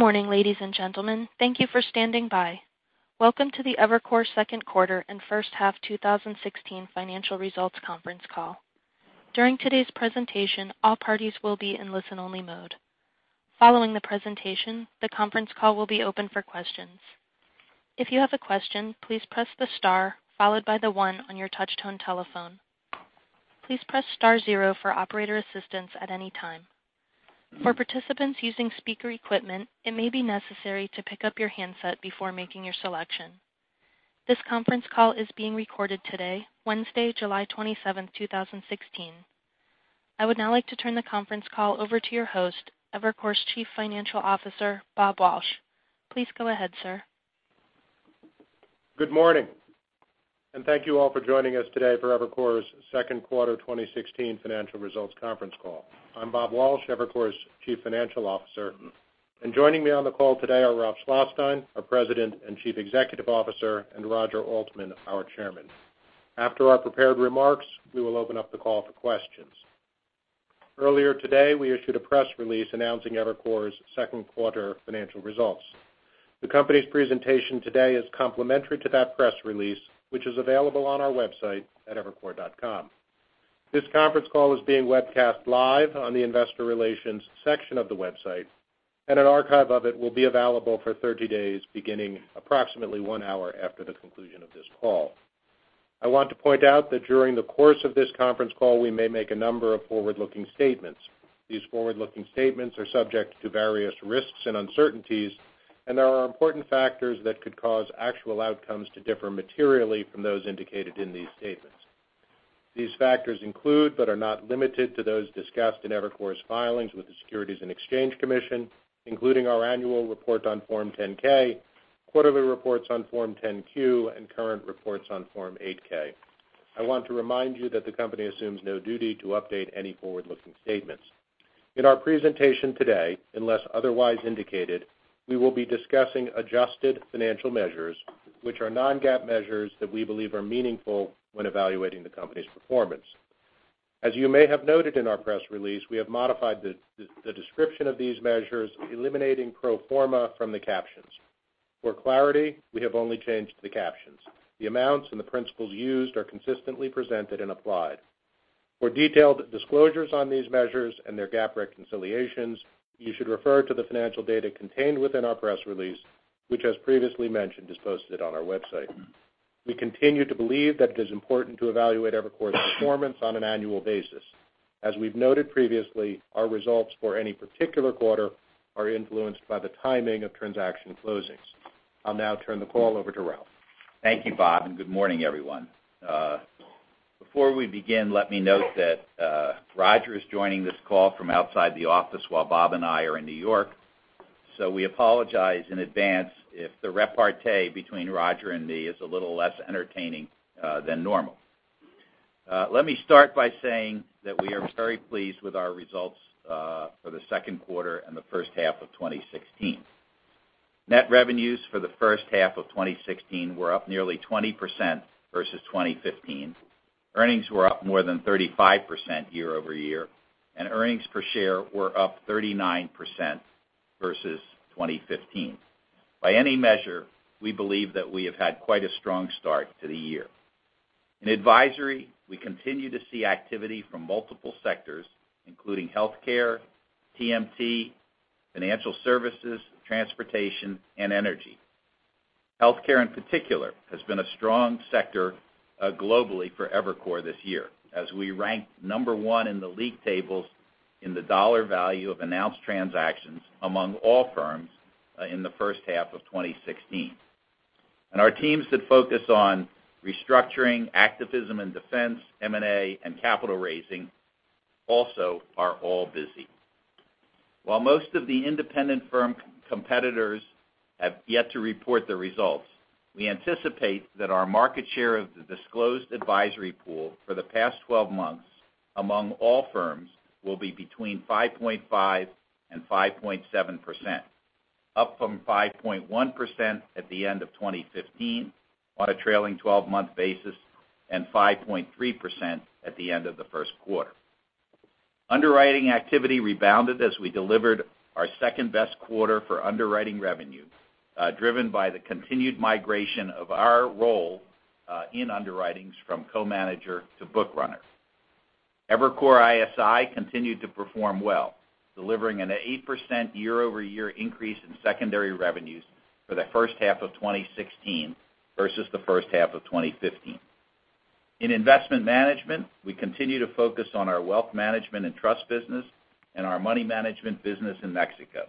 Good morning, ladies and gentlemen. Thank you for standing by. Welcome to the Evercore second quarter and first half 2016 financial results conference call. During today's presentation, all parties will be in listen-only mode. Following the presentation, the conference call will be open for questions. If you have a question, please press the star followed by the one on your touchtone telephone. Please press star zero for operator assistance at any time. For participants using speaker equipment, it may be necessary to pick up your handset before making your selection. This conference call is being recorded today, Wednesday, July 27, 2016. I would now like to turn the conference call over to your host, Evercore's Chief Financial Officer, Bob Walsh. Please go ahead, sir. Good morning. Thank you all for joining us today for Evercore's second quarter 2016 financial results conference call. I'm Bob Walsh, Evercore's Chief Financial Officer, and joining me on the call today are Ralph Schlosstein, our President and Chief Executive Officer, and Roger Altman, our Chairman. After our prepared remarks, we will open up the call for questions. Earlier today, we issued a press release announcing Evercore's second quarter financial results. The company's presentation today is complementary to that press release, which is available on our website at evercore.com. This conference call is being webcast live on the investor relations section of the website, and an archive of it will be available for 30 days, beginning approximately one hour after the conclusion of this call. I want to point out that during the course of this conference call, we may make a number of forward-looking statements. These forward-looking statements are subject to various risks and uncertainties. There are important factors that could cause actual outcomes to differ materially from those indicated in these statements. These factors include, but are not limited to, those discussed in Evercore's filings with the Securities and Exchange Commission, including our annual report on Form 10-K, quarterly reports on Form 10-Q, and current reports on Form 8-K. I want to remind you that the company assumes no duty to update any forward-looking statements. In our presentation today, unless otherwise indicated, we will be discussing adjusted financial measures, which are non-GAAP measures that we believe are meaningful when evaluating the company's performance. As you may have noted in our press release, we have modified the description of these measures, eliminating pro forma from the captions. For clarity, we have only changed the captions. The amounts and the principles used are consistently presented and applied. For detailed disclosures on these measures and their GAAP reconciliations, you should refer to the financial data contained within our press release, which, as previously mentioned, is posted on our website. We continue to believe that it is important to evaluate Evercore's performance on an annual basis. As we've noted previously, our results for any particular quarter are influenced by the timing of transaction closings. I'll now turn the call over to Ralph. Thank you, Bob, and good morning, everyone. Before we begin, let me note that Roger is joining this call from outside the office while Bob and I are in New York. We apologize in advance if the repartee between Roger and me is a little less entertaining than normal. Let me start by saying that we are very pleased with our results for the second quarter and the first half of 2016. Net revenues for the first half of 2016 were up nearly 20% versus 2015. Earnings were up more than 35% year-over-year, and earnings per share were up 39% versus 2015. By any measure, we believe that we have had quite a strong start to the year. In advisory, we continue to see activity from multiple sectors, including healthcare, TMT, financial services, transportation, and energy. Healthcare in particular has been a strong sector globally for Evercore this year, as we ranked number one in the league tables in the dollar value of announced transactions among all firms in the first half of 2016. Our teams that focus on restructuring, activism and defense, M&A, and capital raising also are all busy. While most of the independent firm competitors have yet to report their results, we anticipate that our market share of the disclosed advisory pool for the past 12 months among all firms will be between 5.5% and 5.7%, up from 5.1% at the end of 2015 on a trailing 12-month basis, and 5.3% at the end of the first quarter. Underwriting activity rebounded as we delivered our second-best quarter for underwriting revenue, driven by the continued migration of our role in underwritings from co-manager to book runner. Evercore ISI continued to perform well, delivering an 8% year-over-year increase in secondary revenues for the first half of 2016 versus the first half of 2015. In investment management, we continue to focus on our wealth management and trust business and our money management business in Mexico.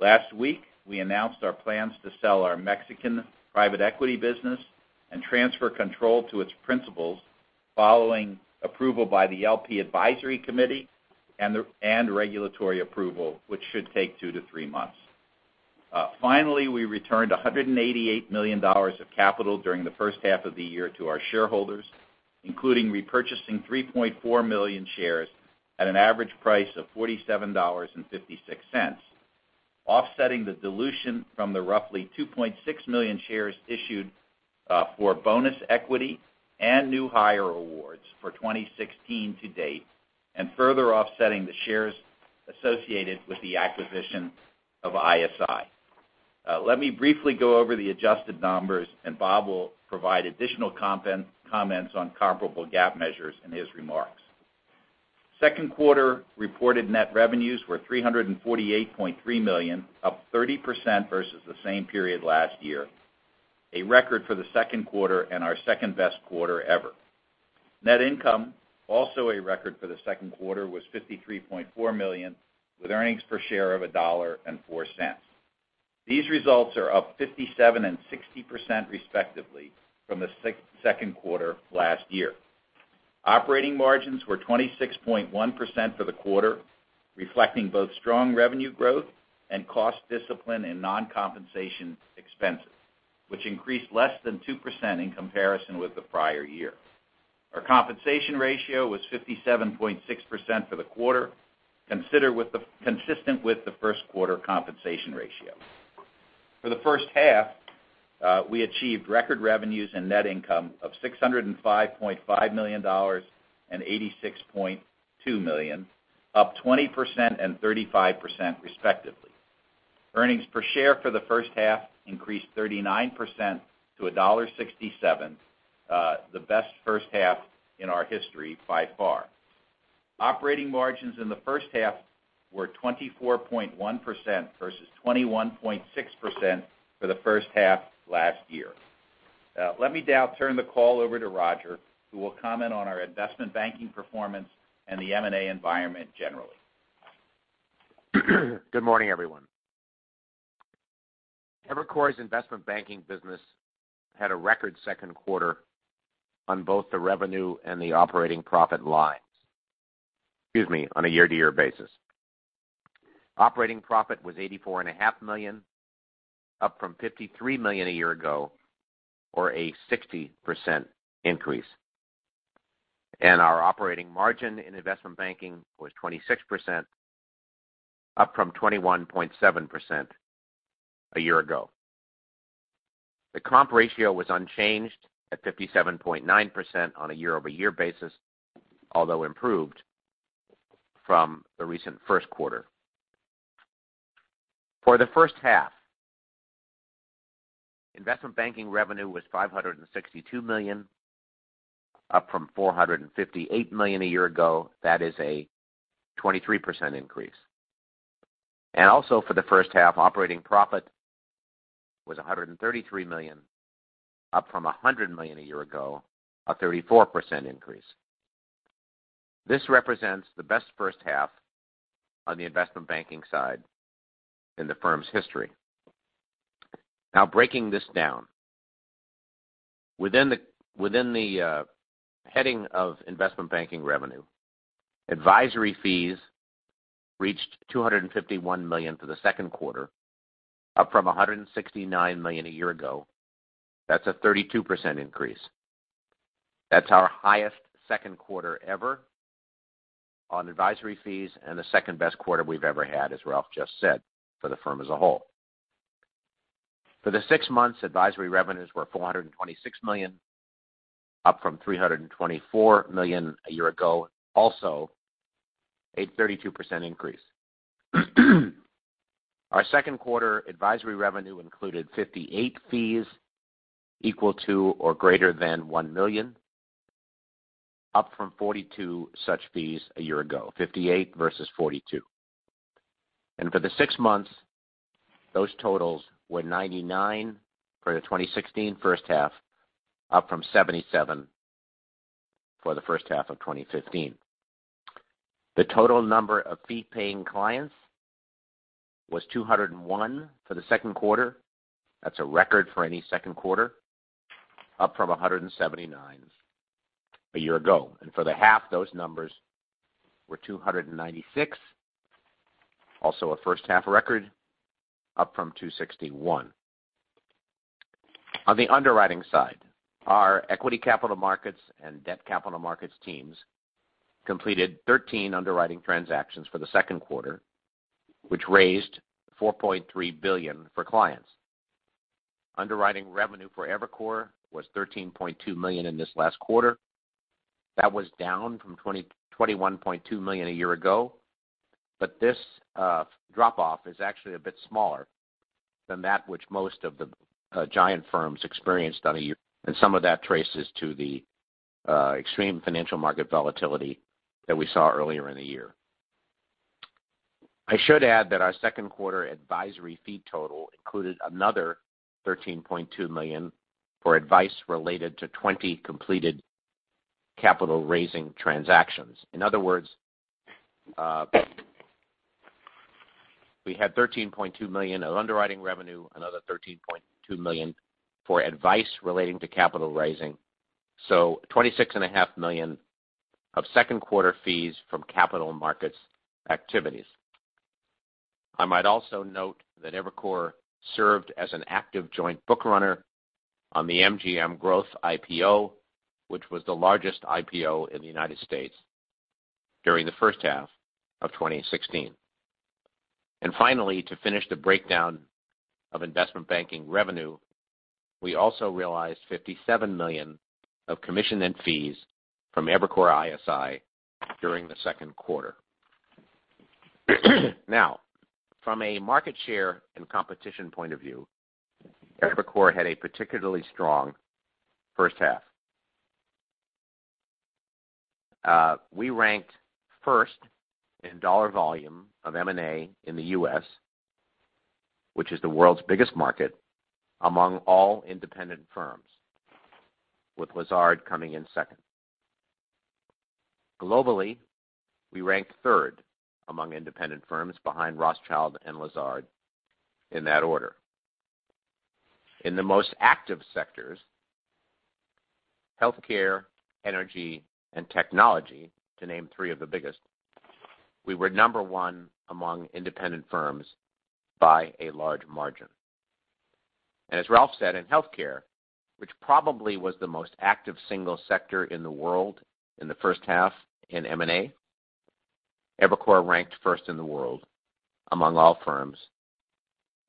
Last week, we announced our plans to sell our Mexican private equity business and transfer control to its principals following approval by the LP advisory committee and regulatory approval, which should take two to three months. Finally, we returned $188 million of capital during the first half of the year to our shareholders, including repurchasing 3.4 million shares at an average price of $47.56, offsetting the dilution from the roughly 2.6 million shares issued for bonus equity and new hire awards for 2016 to date, and further offsetting the shares associated with the acquisition of ISI. Let me briefly go over the adjusted numbers, and Bob will provide additional comments on comparable GAAP measures in his remarks. Second quarter reported net revenues were $348.3 million, up 30% versus the same period last year, a record for the second quarter and our second-best quarter ever. Net income, also a record for the second quarter, was $53.4 million, with earnings per share of $1.04. These results are up 57% and 60% respectively from the second quarter last year. Operating margins were 26.1% for the quarter, reflecting both strong revenue growth and cost discipline in non-compensation expenses, which increased less than 2% in comparison with the prior year. Our compensation ratio was 57.6% for the quarter, consistent with the first quarter compensation ratio. For the first half, we achieved record revenues and net income of $605.5 million and $86.2 million, up 20% and 35% respectively. Earnings per share for the first half increased 39% to $1.67, the best first half in our history by far. Operating margins in the first half were 24.1% versus 21.6% for the first half last year. Let me now turn the call over to Roger, who will comment on our investment banking performance and the M&A environment generally. Good morning, everyone. Evercore's investment banking business had a record second quarter on both the revenue and the operating profit lines. Excuse me. On a year-to-year basis. Operating profit was $84.5 million, up from $53 million a year ago, or a 60% increase. Our operating margin in investment banking was 26%, up from 21.7% a year ago. The comp ratio was unchanged at 57.9% on a year-over-year basis, although improved from the recent first quarter. For the first half, investment banking revenue was $562 million, up from $458 million a year ago. That is a 23% increase. Also for the first half, operating profit was $133 million, up from $100 million a year ago, a 34% increase. This represents the best first half on the investment banking side in the firm's history. Now, breaking this down. Within the heading of investment banking revenue, advisory fees reached $251 million for the second quarter, up from $169 million a year ago. That's a 32% increase. That's our highest second quarter ever on advisory fees and the second-best quarter we've ever had, as Ralph just said, for the firm as a whole. For the six months, advisory revenues were $426 million, up from $324 million a year ago, also a 32% increase. Our second quarter advisory revenue included 58 fees equal to or greater than $1 million, up from 42 such fees a year ago. 58 versus 42. For the six months, those totals were 99 for the 2016 first half, up from 77 for the first half of 2015. The total number of fee-paying clients was 201 for the second quarter. That's a record for any second quarter, up from 179 a year ago. For the half, those numbers were 296, also a first-half record, up from 261. On the underwriting side, our equity capital markets and debt capital markets teams completed 13 underwriting transactions for the second quarter, which raised $4.3 billion for clients. Underwriting revenue for Evercore was $13.2 million in this last quarter. That was down from $21.2 million a year ago, but this drop-off is actually a bit smaller than that which most of the giant firms experienced on a year, and some of that traces to the extreme financial market volatility that we saw earlier in the year. I should add that our second quarter advisory fee total included another $13.2 million for advice related to 20 completed capital-raising transactions. In other words, we had $13.2 million of underwriting revenue, another $13.2 million for advice relating to capital raising. $26.5 million of second quarter fees from capital markets activities. I might also note that Evercore served as an active joint book runner on the MGM Growth IPO, which was the largest IPO in the U.S. during the first half of 2016. Finally, to finish the breakdown of investment banking revenue, we also realized $57 million of commission and fees from Evercore ISI during the second quarter. From a market share and competition point of view, Evercore had a particularly strong first half. We ranked first in dollar volume of M&A in the U.S., which is the world's biggest market, among all independent firms, with Lazard coming in second. Globally, we ranked third among independent firms behind Rothschild & Co and Lazard, in that order. In the most active sectors, healthcare, energy, and technology, to name three of the biggest, we were number one among independent firms by a large margin. As Ralph said, in healthcare, which probably was the most active single sector in the world in the first half in M&A, Evercore ranked first in the world among all firms,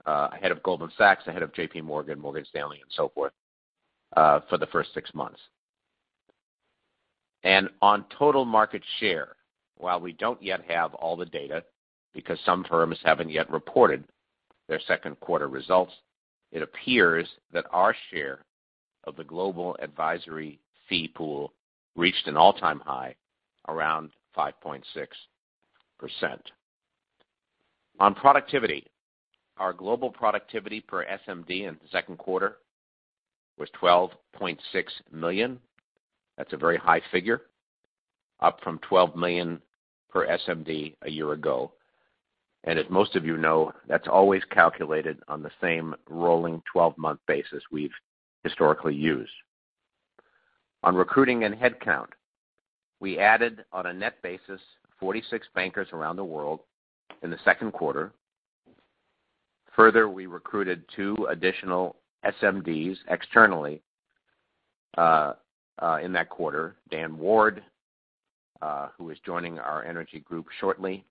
ahead of Goldman Sachs, ahead of JPMorgan, Morgan Stanley, and so forth, for the first six months. On total market share, while we don't yet have all the data because some firms haven't yet reported their second quarter results, it appears that our share of the global advisory fee pool reached an all-time high around 5.6%. On productivity, our global productivity per SMD in the second quarter was $12.6 million. That's a very high figure, up from $12 million per SMD a year ago. As most of you know, that's always calculated on the same rolling 12-month basis we've historically used. On recruiting and headcount, we added, on a net basis, 46 bankers around the world in the second quarter. Further, we recruited two additional SMDs externally, in that quarter. Dan Ward, who is joining our energy group shortly,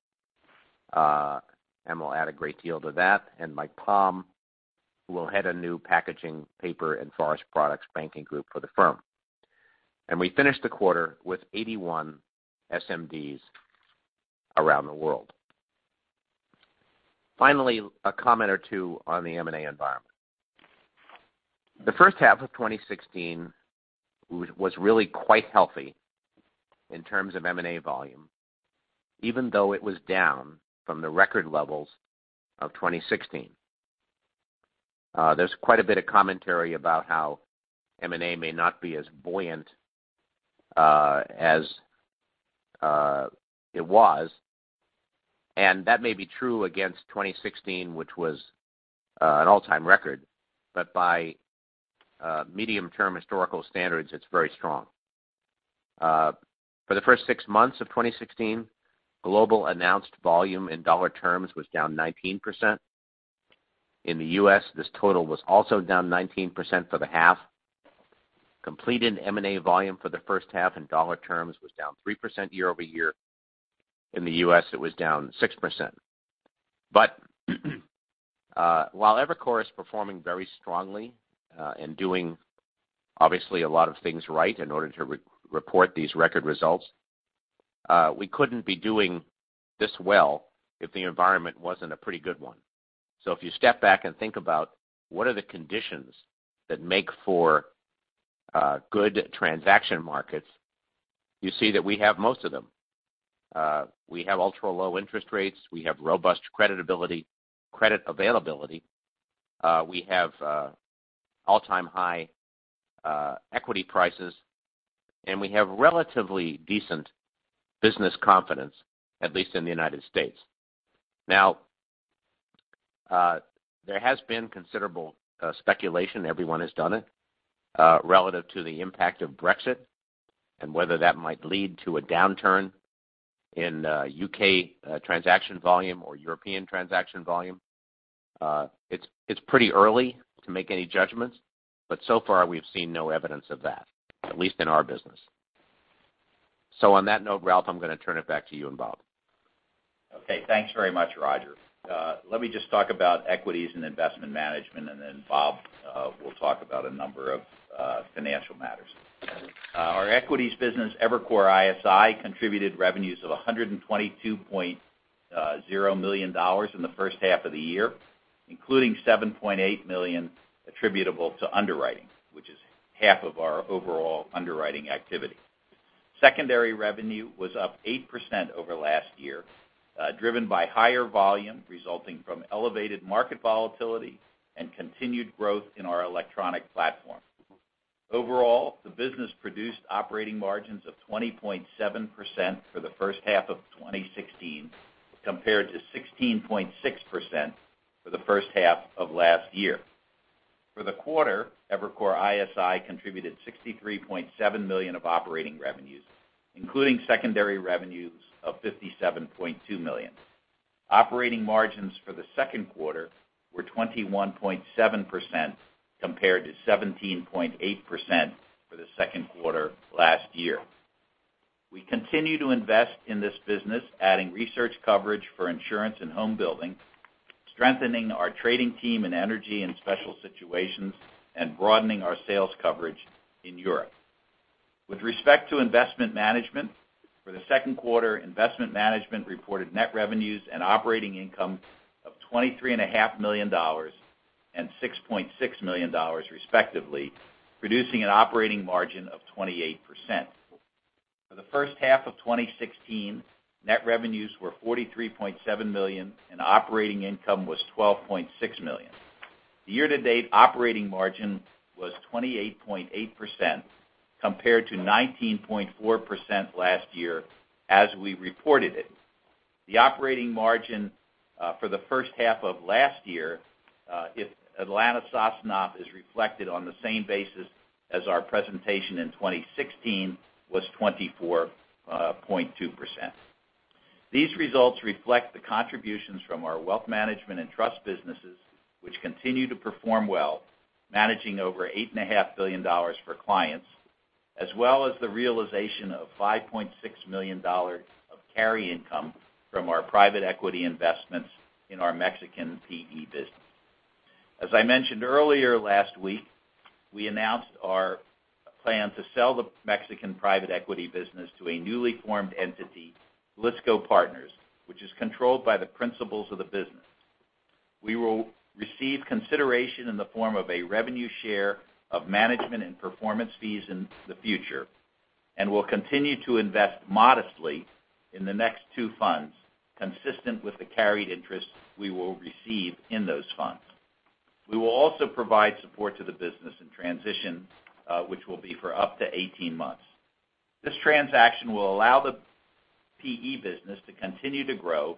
and will add a great deal to that, and Mike Palm, who will head a new packaging, paper, and forest products banking group for the firm. We finished the quarter with 81 SMDs around the world. Finally, a comment or two on the M&A environment. The first half of 2016 was really quite healthy in terms of M&A volume, even though it was down from the record levels of 2016. There's quite a bit of commentary about how M&A may not be as buoyant as it was. That may be true against 2016, which was an all-time record, but by medium-term historical standards, it's very strong. For the first six months of 2016, global announced volume in dollar terms was down 19%. In the U.S., this total was also down 19% for the half. Completed M&A volume for the first half in dollar terms was down 3% year-over-year. In the U.S., it was down 6%. While Evercore is performing very strongly, and doing obviously a lot of things right in order to report these record results, we couldn't be doing this well if the environment wasn't a pretty good one. If you step back and think about what are the conditions that make for good transaction markets, you see that we have most of them. We have ultra-low interest rates, we have robust credit availability, we have all-time high equity prices, and we have relatively decent business confidence, at least in the U.S. There has been considerable speculation, everyone has done it, relative to the impact of Brexit and whether that might lead to a downturn in U.K. transaction volume or European transaction volume. It's pretty early to make any judgments, but so far, we've seen no evidence of that, at least in our business. On that note, Ralph, I'm going to turn it back to you and Bob. Thanks very much, Roger. Let me just talk about equities and investment management, and then Bob will talk about a number of financial matters. Our equities business, Evercore ISI, contributed revenues of $122.0 million in the first half of the year, including $7.8 million attributable to underwriting, which is half of our overall underwriting activity. Secondary revenue was up 8% over last year, driven by higher volume resulting from elevated market volatility and continued growth in our electronic platform. Overall, the business produced operating margins of 20.7% for the first half of 2016, compared to 16.6% for the first half of last year. For the quarter, Evercore ISI contributed $63.7 million of operating revenues, including secondary revenues of $57.2 million. Operating margins for the second quarter were 21.7%, compared to 17.8% for the second quarter last year. We continue to invest in this business, adding research coverage for insurance and home building, strengthening our trading team in energy and special situations, and broadening our sales coverage in Europe. With respect to investment management, for the second quarter, investment management reported net revenues and operating income of $23.5 million and $6.6 million respectively, producing an operating margin of 28%. For the first half of 2016, net revenues were $43.7 million and operating income was $12.6 million. The year-to-date operating margin was 28.8% compared to 19.4% last year, as we reported it. The operating margin for the first half of last year, if Atalanta Sosnoff is reflected on the same basis as our presentation in 2016, was 24.2%. These results reflect the contributions from our wealth management and trust businesses, which continue to perform well, managing over $8.5 billion for clients, as well as the realization of $5.6 million of carry income from our private equity investments in our Mexican PE business. As I mentioned earlier last week, we announced our plan to sell the Mexican private equity business to a newly formed entity, Lisco Partners, which is controlled by the principals of the business. We will receive consideration in the form of a revenue share of management and performance fees in the future and will continue to invest modestly in the next two funds, consistent with the carried interest we will receive in those funds. We will also provide support to the business in transition, which will be for up to 18 months. This transaction will allow the PE business to continue to grow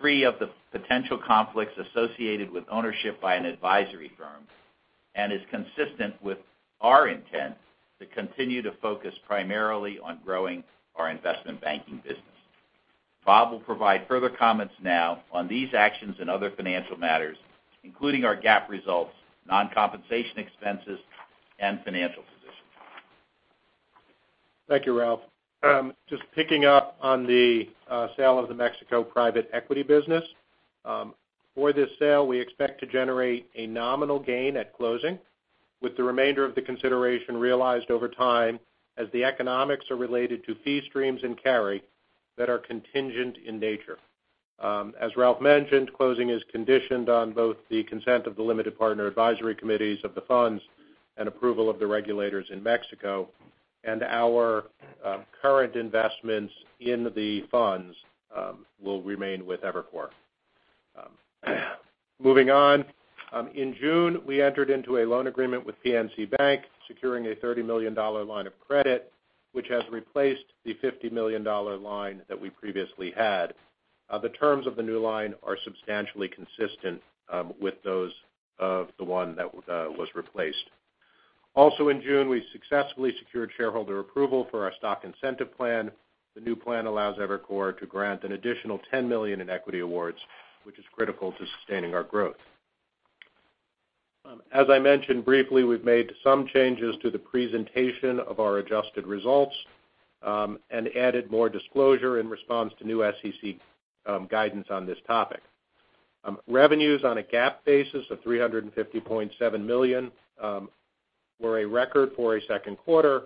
free of the potential conflicts associated with ownership by an advisory firm, and is consistent with our intent to continue to focus primarily on growing our investment banking business. Bob will provide further comments now on these actions and other financial matters, including our GAAP results, non-compensation expenses, and financial position. Thank you, Ralph. Just picking up on the sale of the Mexico private equity business. For this sale, we expect to generate a nominal gain at closing, with the remainder of the consideration realized over time as the economics are related to fee streams and carry that are contingent in nature. As Ralph mentioned, closing is conditioned on both the consent of the limited partner advisory committees of the funds and approval of the regulators in Mexico, and our current investments in the funds will remain with Evercore. Moving on. In June, we entered into a loan agreement with PNC Bank, securing a $30 million line of credit, which has replaced the $50 million line that we previously had. The terms of the new line are substantially consistent with those of the one that was replaced. Also in June, we successfully secured shareholder approval for our stock incentive plan. The new plan allows Evercore to grant an additional $10 million in equity awards, which is critical to sustaining our growth. As I mentioned briefly, we've made some changes to the presentation of our adjusted results, added more disclosure in response to new SEC guidance on this topic. Revenues on a GAAP basis of $350.7 million were a record for a second quarter,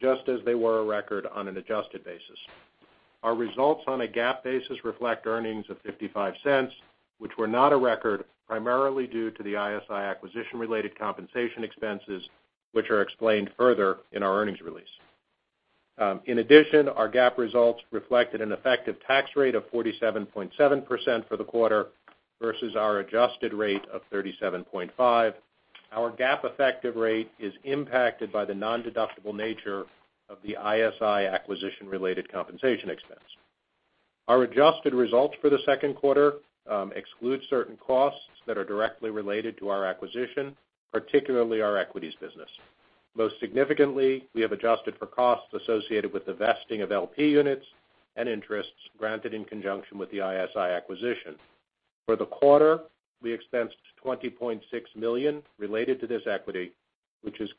just as they were a record on an adjusted basis. Our results on a GAAP basis reflect earnings of $0.55, which were not a record, primarily due to the ISI acquisition-related compensation expenses, which are explained further in our earnings release. Our GAAP results reflected an effective tax rate of 47.7% for the quarter versus our adjusted rate of 37.5%. Our GAAP effective rate is impacted by the non-deductible nature of the ISI acquisition-related compensation expense. Our adjusted results for the second quarter exclude certain costs that are directly related to our acquisition, particularly our equities business. Most significantly, we have adjusted for costs associated with the vesting of LP units and interests granted in conjunction with the ISI acquisition. For the quarter, we expensed $20.6 million related to this equity, which is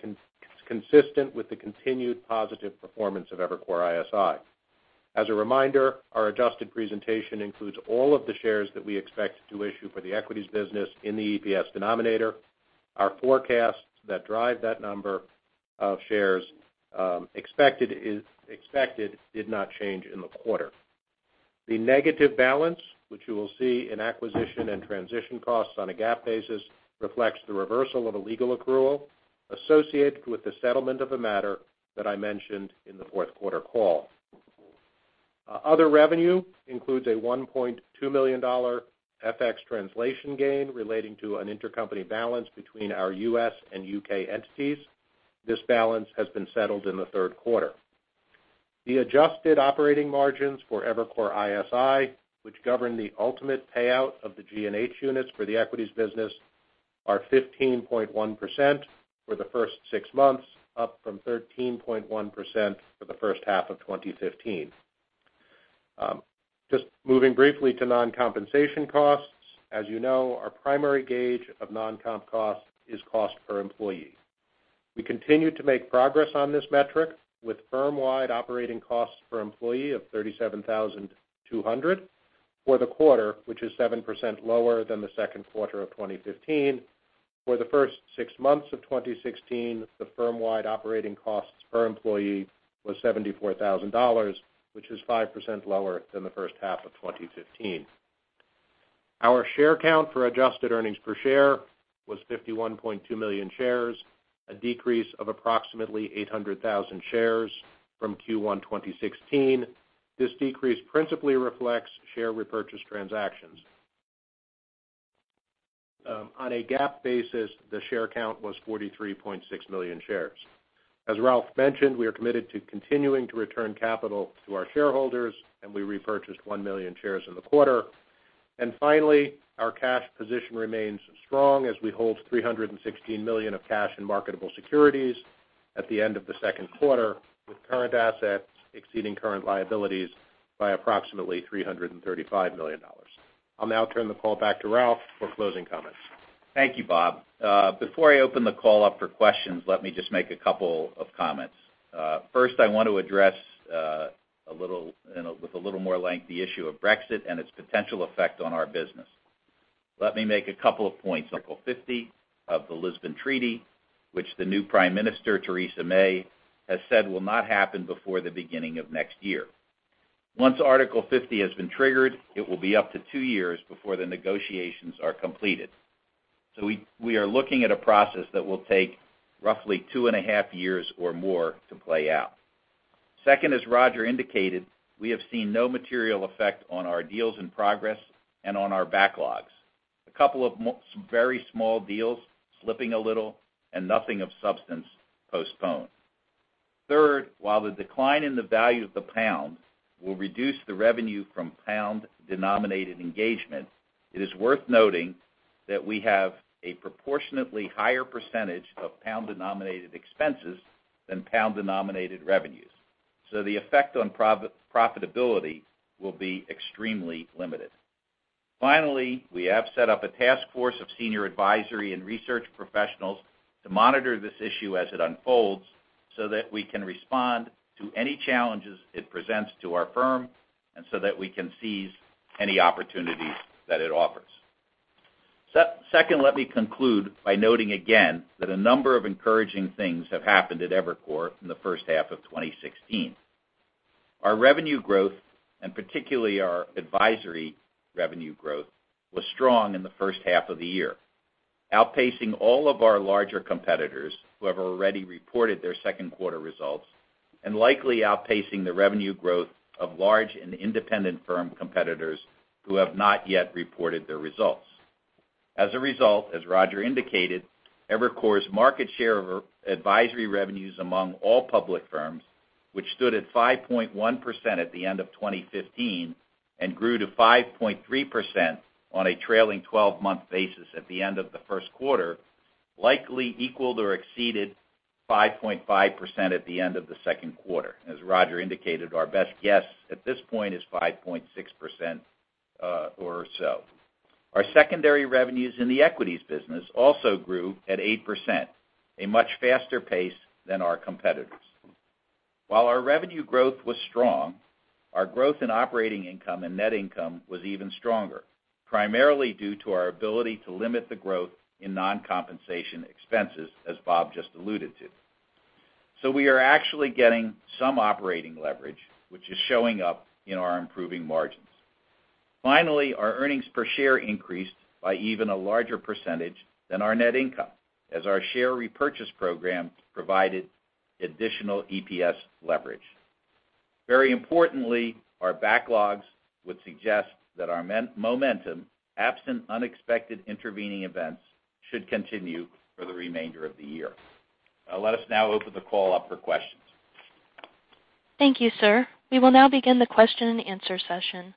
consistent with the continued positive performance of Evercore ISI. As a reminder, our adjusted presentation includes all of the shares that we expect to issue for the equities business in the EPS denominator. Our forecasts that drive that number of shares expected did not change in the quarter. The negative balance, which you will see in acquisition and transition costs on a GAAP basis, reflects the reversal of a legal accrual associated with the settlement of a matter that I mentioned in the fourth quarter call. Other revenue includes a $1.2 million FX translation gain relating to an intercompany balance between our U.S. and U.K. entities. This balance has been settled in the third quarter. The adjusted operating margins for Evercore ISI, which govern the ultimate payout of the G&H units for the equities business, are 15.1% for the first six months, up from 13.1% for the first half of 2015. Just moving briefly to non-compensation costs. As you know, our primary gauge of non-comp costs is cost per employee. We continue to make progress on this metric with firm-wide operating costs per employee of 37,200 for the quarter, which is 7% lower than the second quarter of 2015. For the first six months of 2016, the firm-wide operating costs per employee was $74,000, which is 5% lower than the first half of 2015. Our share count for adjusted earnings per share was 51.2 million shares, a decrease of approximately 800,000 shares from Q1 2016. This decrease principally reflects share repurchase transactions. On a GAAP basis, the share count was 43.6 million shares. As Ralph mentioned, we are committed to continuing to return capital to our shareholders, and we repurchased 1 million shares in the quarter. Finally, our cash position remains strong as we hold $316 million of cash and marketable securities at the end of the second quarter, with current assets exceeding current liabilities by approximately $335 million. I'll now turn the call back to Ralph for closing comments. Thank you, Bob. Before I open the call up for questions, let me just make a couple of comments. First, I want to address with a little more length the issue of Brexit and its potential effect on our business. Let me make a couple of points. Article 50 of the Lisbon Treaty, which the new Prime Minister, Theresa May, has said will not happen before the beginning of next year. Once Article 50 has been triggered, it will be up to two years before the negotiations are completed. We are looking at a process that will take roughly two and a half years or more to play out. Second, as Roger indicated, we have seen no material effect on our deals in progress and on our backlogs. A couple of very small deals slipping a little and nothing of substance postponed. Third, while the decline in the value of the pound will reduce the revenue from pound-denominated engagements, it is worth noting that we have a proportionately higher percentage of pound-denominated expenses than pound-denominated revenues. The effect on profitability will be extremely limited. Finally, we have set up a task force of senior advisory and research professionals to monitor this issue as it unfolds so that we can respond to any challenges it presents to our firm and so that we can seize any opportunities that it offers. Second, let me conclude by noting again that a number of encouraging things have happened at Evercore in the first half of 2016. Our revenue growth, and particularly our advisory revenue growth, was strong in the first half of the year, outpacing all of our larger competitors who have already reported their second quarter results, and likely outpacing the revenue growth of large and independent firm competitors who have not yet reported their results. As a result, as Roger indicated, Evercore's market share of advisory revenues among all public firms, which stood at 5.1% at the end of 2015 and grew to 5.3% on a trailing 12-month basis at the end of the first quarter, likely equaled or exceeded 5.5% at the end of the second quarter. As Roger indicated, our best guess at this point is 5.6% or so. Our secondary revenues in the equities business also grew at 8%, a much faster pace than our competitors. While our revenue growth was strong, our growth in operating income and net income was even stronger, primarily due to our ability to limit the growth in non-compensation expenses, as Bob just alluded to. We are actually getting some operating leverage, which is showing up in our improving margins. Finally, our earnings per share increased by even a larger percentage than our net income as our share repurchase program provided additional EPS leverage. Very importantly, our backlogs would suggest that our momentum, absent unexpected intervening events, should continue for the remainder of the year. Let us now open the call up for questions. Thank you, sir. We will now begin the question and answer session.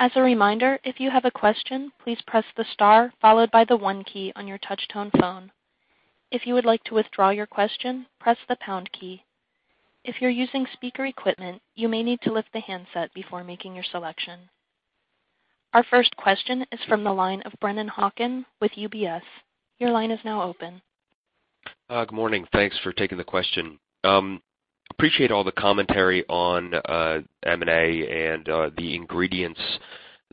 As a reminder, if you have a question, please press the star followed by the one key on your touch-tone phone. If you would like to withdraw your question, press the pound key. If you are using speaker equipment, you may need to lift the handset before making your selection. Our first question is from the line of Brennan Hawken with UBS. Your line is now open. Good morning. Thanks for taking the question. Appreciate all the commentary on M&A and the ingredients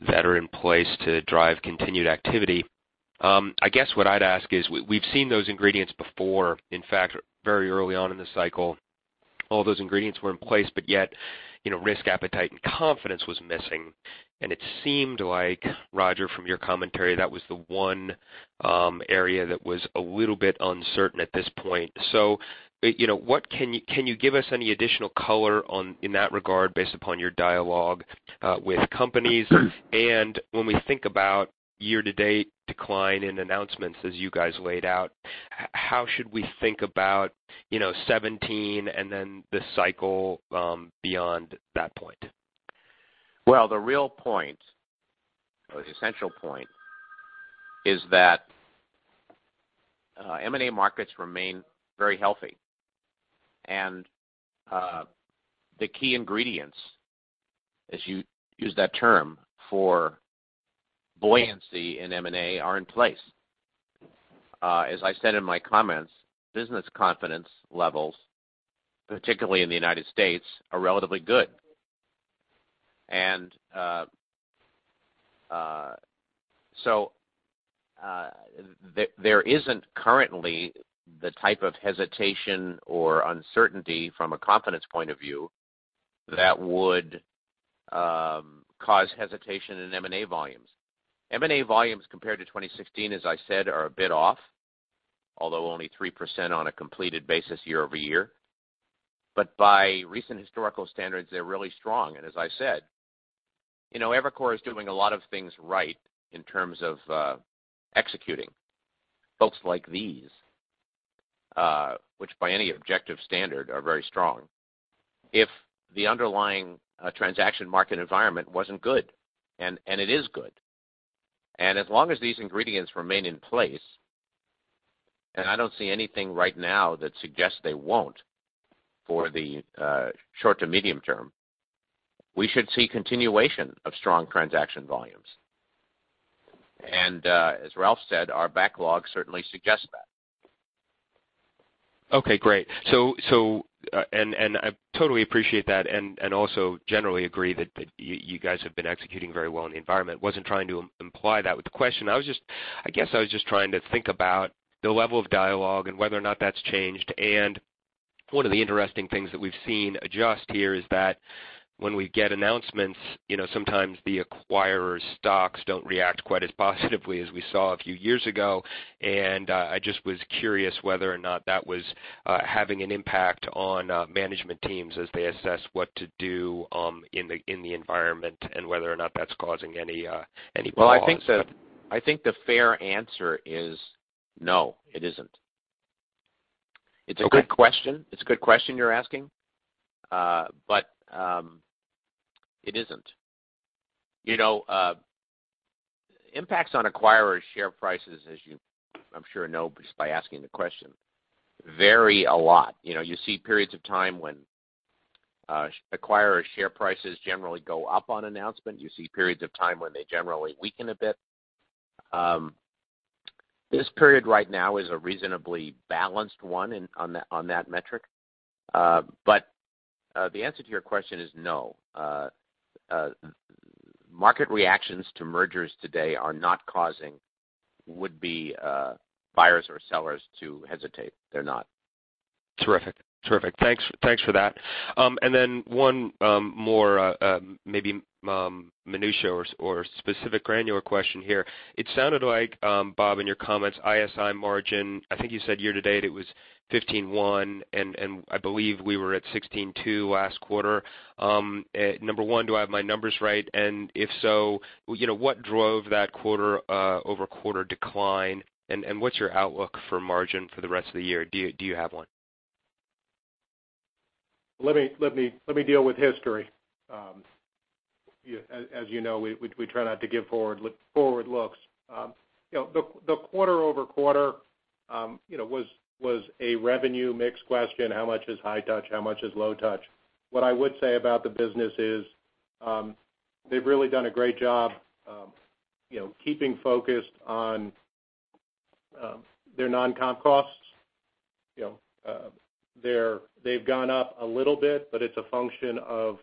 that are in place to drive continued activity. I guess what I would ask is, we have seen those ingredients before. In fact, very early on in the cycle, all those ingredients were in place, but yet risk appetite and confidence was missing. It seemed like, Roger, from your commentary, that was the one area that was a little bit uncertain at this point. Can you give us any additional color in that regard based upon your dialogue with companies? When we think about year-to-date decline in announcements as you guys laid out, how should we think about 2017 and then the cycle beyond that point? Well, the real point, or the essential point, is that M&A markets remain very healthy. The key ingredients, as you use that term, for buoyancy in M&A are in place. As I said in my comments, business confidence levels, particularly in the U.S., are relatively good. So there isn't currently the type of hesitation or uncertainty from a confidence point of view that would cause hesitation in M&A volumes. M&A volumes compared to 2016, as I said, are a bit off, although only 3% on a completed basis year-over-year. By recent historical standards, they're really strong. As I said, Evercore is doing a lot of things right in terms of executing. Folks like these, which by any objective standard are very strong. If the underlying transaction market environment wasn't good, and it is good, and as long as these ingredients remain in place, and I don't see anything right now that suggests they won't for the short to medium term, we should see continuation of strong transaction volumes. As Ralph said, our backlog certainly suggests that. Okay, great. I totally appreciate that, and also generally agree that you guys have been executing very well in the environment. Wasn't trying to imply that with the question. I guess I was just trying to think about the level of dialogue and whether or not that's changed. One of the interesting things that we've seen adjust here is that when we get announcements, sometimes the acquirers' stocks don't react quite as positively as we saw a few years ago. I just was curious whether or not that was having an impact on management teams as they assess what to do in the environment, and whether or not that's causing any pause. Well, I think the fair answer is no, it isn't. Okay. It's a good question you're asking, but it isn't. Impacts on acquirers' share prices, as you I'm sure know just by asking the question, vary a lot. You see periods of time when acquirers' share prices generally go up on announcement. You see periods of time when they generally weaken a bit. This period right now is a reasonably balanced one on that metric. The answer to your question is no. Market reactions to mergers today are not causing would-be buyers or sellers to hesitate. They're not. Terrific. Thanks for that. Then one more maybe minutia or specific granular question here. It sounded like, Bob, in your comments, ISI margin, I think you said year-to-date it was 15.1%, and I believe we were at 16.2% last quarter. Number one, do I have my numbers right? If so, what drove that quarter-over-quarter decline, and what's your outlook for margin for the rest of the year? Do you have one? Let me deal with history. As you know, we try not to give forward looks. The quarter-over-quarter was a revenue mix question. How much is high touch? How much is low touch? What I would say about the business is, they've really done a great job keeping focused on their non-comp costs. They've gone up a little bit, but it's a function of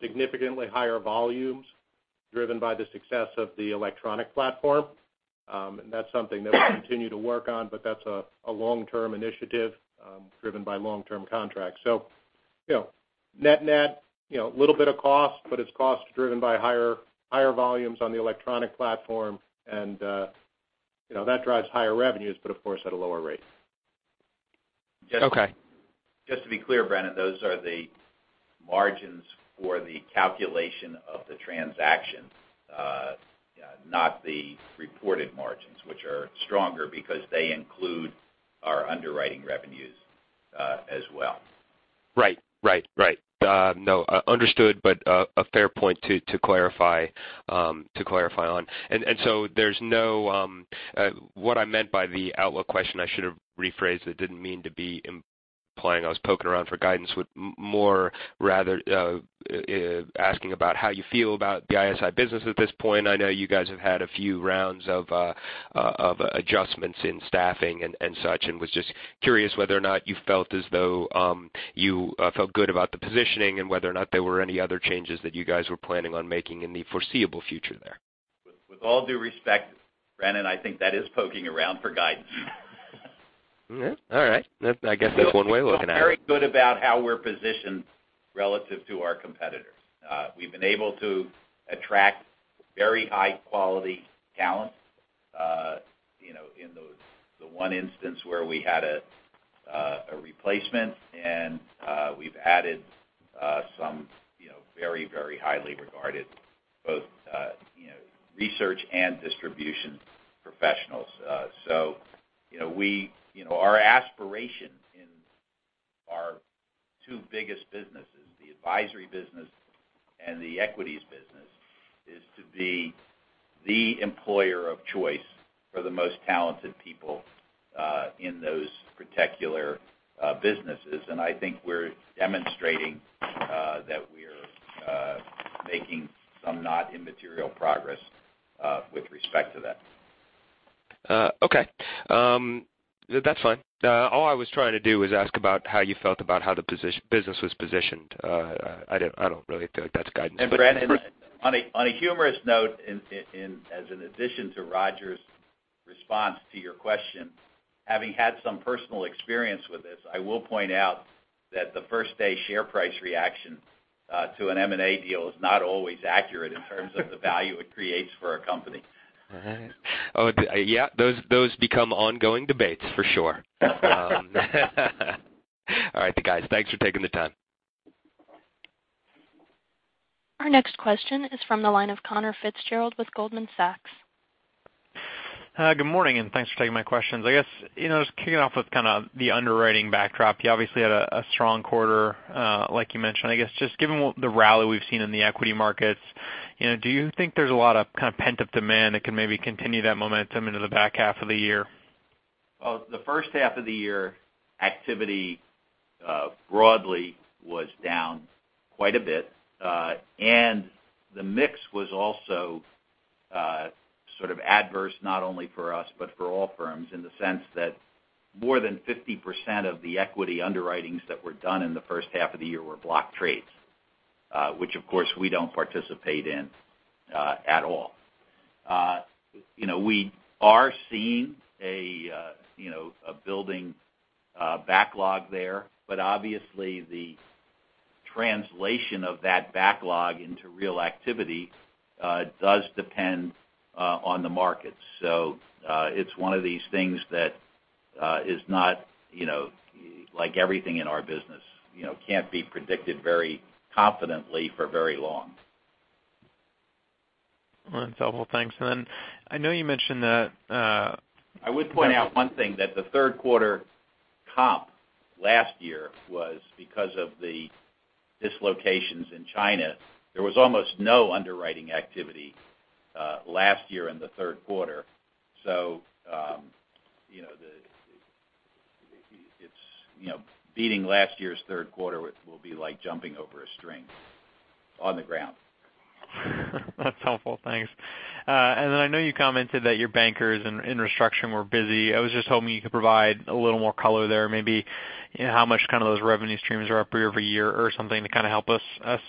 significantly higher volumes driven by the success of the electronic platform. That's something that we'll continue to work on, but that's a long-term initiative driven by long-term contracts. Net net, little bit of cost, but it's cost driven by higher volumes on the electronic platform, and that drives higher revenues, but of course, at a lower rate. Okay. Just to be clear, Brennan, those are the margins for the calculation of the transactions, not the reported margins, which are stronger because they include our underwriting revenues as well. Right. No, understood, a fair point to clarify on. What I meant by the outlook question, I should've rephrased it, didn't mean to be implying I was poking around for guidance with more rather asking about how you feel about the ISI business at this point. I know you guys have had a few rounds of adjustments in staffing and such, and was just curious whether or not you felt as though you felt good about the positioning and whether or not there were any other changes that you guys were planning on making in the foreseeable future there. With all due respect, Brennan, I think that is poking around for guidance. Yeah. All right. I guess that's one way of looking at it. Feel very good about how we're positioned relative to our competitors. We've been able to attract very high-quality talent in the one instance where we had a replacement, and we've added some very highly regarded both research and distribution professionals. Our aspiration Two biggest businesses, the advisory business and the equities business, is to be the employer of choice for the most talented people in those particular businesses. I think we're demonstrating that we're making some not immaterial progress with respect to that. Okay. That's fine. All I was trying to do was ask about how you felt about how the business was positioned. I don't really feel like that's guidance. Brad, on a humorous note, as an addition to Roger's response to your question, having had some personal experience with this, I will point out that the first-day share price reaction to an M&A deal is not always accurate in terms of the value it creates for a company. All right. Yeah, those become ongoing debates for sure. All right, guys. Thanks for taking the time. Our next question is from the line of Conor Fitzgerald with Goldman Sachs. Hi. Good morning. Thanks for taking my questions. I guess, just kicking off with kind of the underwriting backdrop. You obviously had a strong quarter, like you mentioned. I guess, just given the rally we've seen in the equity markets, do you think there's a lot of pent-up demand that can maybe continue that momentum into the back half of the year? Well, the first half of the year activity, broadly, was down quite a bit. The mix was also sort of adverse, not only for us, but for all firms in the sense that more than 50% of the equity underwritings that were done in the first half of the year were block trades, which of course we don't participate in at all. We are seeing a building backlog there, but obviously the translation of that backlog into real activity does depend on the markets. It's one of these things that is not, like everything in our business, can't be predicted very confidently for very long. That's helpful. Thanks. Then I know you mentioned that- I would point out one thing, that the third quarter comp last year was because of the dislocations in China. There was almost no underwriting activity last year in the third quarter. Beating last year's third quarter will be like jumping over a string on the ground. That's helpful. Thanks. Then I know you commented that your bankers in restructuring were busy. I was just hoping you could provide a little more color there, maybe how much those revenue streams are up year-over-year or something to kind of help us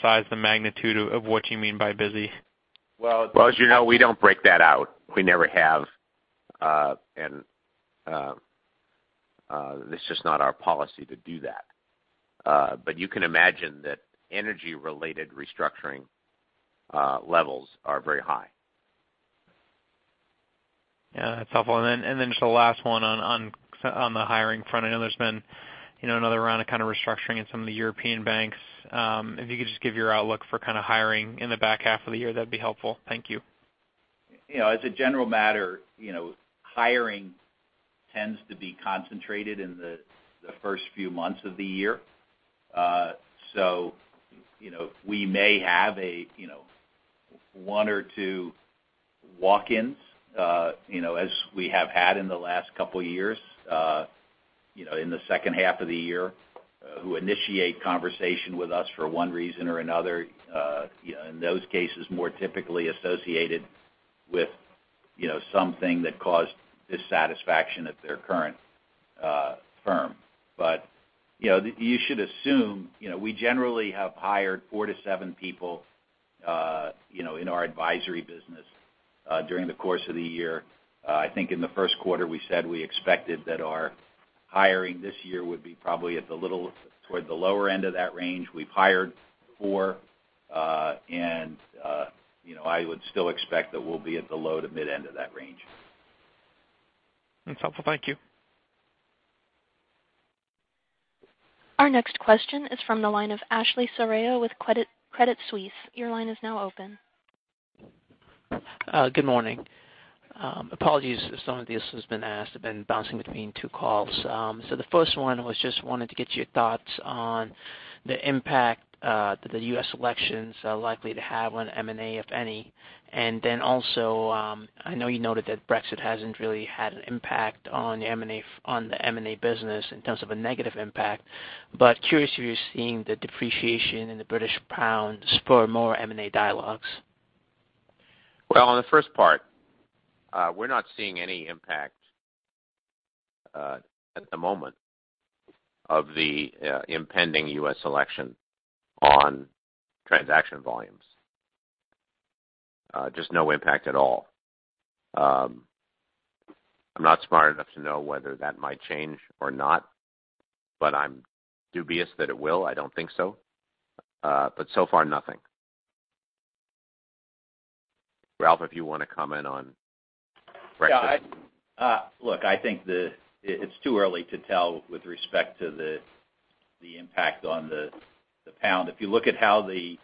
size the magnitude of what you mean by busy. Well- Well, as you know, we don't break that out. We never have. It's just not our policy to do that. You can imagine that energy-related restructuring levels are very high. Yeah. That's helpful. Just the last one on the hiring front. I know there's been another round of restructuring in some of the European banks. If you could just give your outlook for hiring in the back half of the year, that'd be helpful. Thank you. As a general matter, hiring tends to be concentrated in the first few months of the year. We may have one or two walk-ins, as we have had in the last couple of years, in the second half of the year, who initiate conversation with us for one reason or another. In those cases, more typically associated with something that caused dissatisfaction at their current firm. You should assume we generally have hired four to seven people in our advisory business during the course of the year. I think in the first quarter, we said we expected that our hiring this year would be probably toward the lower end of that range. We've hired four, and I would still expect that we'll be at the low- to mid-end of that range. That's helpful. Thank you. Our next question is from the line of Ashley Serrao with Credit Suisse. Your line is now open. Good morning. Apologies if some of this has been asked. I've been bouncing between two calls. The first one, I just wanted to get your thoughts on the impact that the U.S. elections are likely to have on M&A, if any. Also, I know you noted that Brexit hasn't really had an impact on the M&A business in terms of a negative impact, but curious if you're seeing the depreciation in the British pound spur more M&A dialogues. On the first part, we're not seeing any impact at the moment of the impending U.S. election on transaction volumes. Just no impact at all. I'm not smart enough to know whether that might change or not, but I'm dubious that it will. I don't think so. So far, nothing. Ralph, if you want to comment on Brexit. I think it's too early to tell with respect to the impact on the GBP. If you look at how the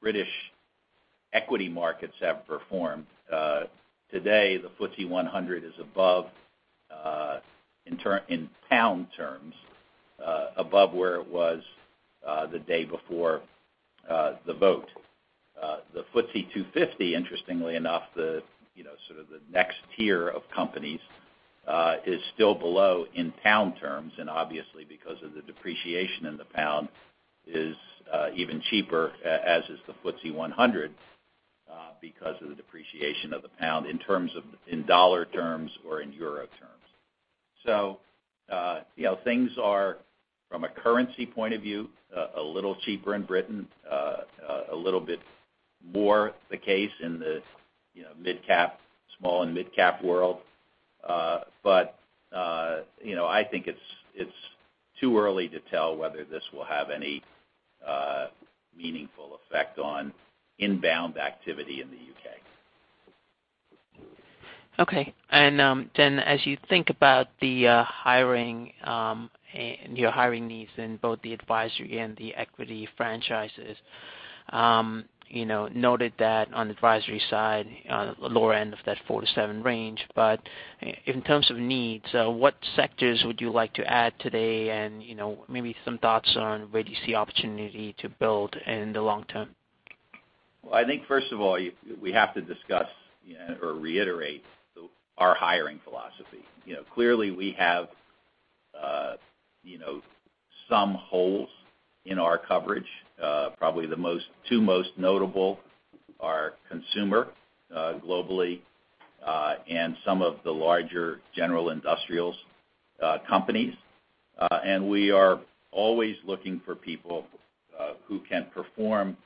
British equity markets have performed. Today, the FTSE 100 is above, in GBP terms, above where it was the day before the vote. The FTSE 250, interestingly enough, the sort of the next tier of companies, is still below in GBP terms, and obviously because of the depreciation in the GBP is even cheaper, as is the FTSE 100, because of the depreciation of the GBP in USD terms or in EUR terms. Things are, from a currency point of view, a little cheaper in Britain, a little bit more the case in the small and mid-cap world. I think it's too early to tell whether this will have any meaningful effect on inbound activity in the U.K. As you think about your hiring needs in both the advisory and the equity franchises, noted that on advisory side, lower end of that four to seven range. In terms of needs, what sectors would you like to add today and maybe some thoughts on where do you see opportunity to build in the long term? Well, I think first of all, we have to discuss or reiterate our hiring philosophy. Clearly we have some holes in our coverage. Probably the two most notable are consumer globally, and some of the larger general industrials companies. We are always looking for people who can perform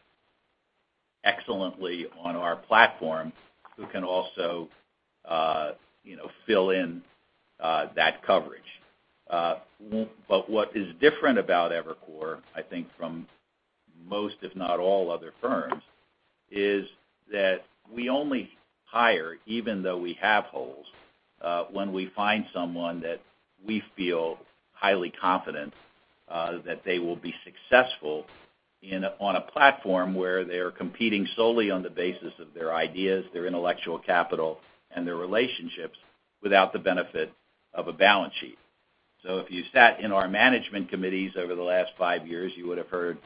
excellently on our platform, who can also fill in that coverage. What is different about Evercore, I think from most, if not all other firms, is that we only hire, even though we have holes, when we find someone that we feel highly confident that they will be successful on a platform where they're competing solely on the basis of their ideas, their intellectual capital, and their relationships without the benefit of a balance sheet. If you sat in our management committees over the last five years, you would've heard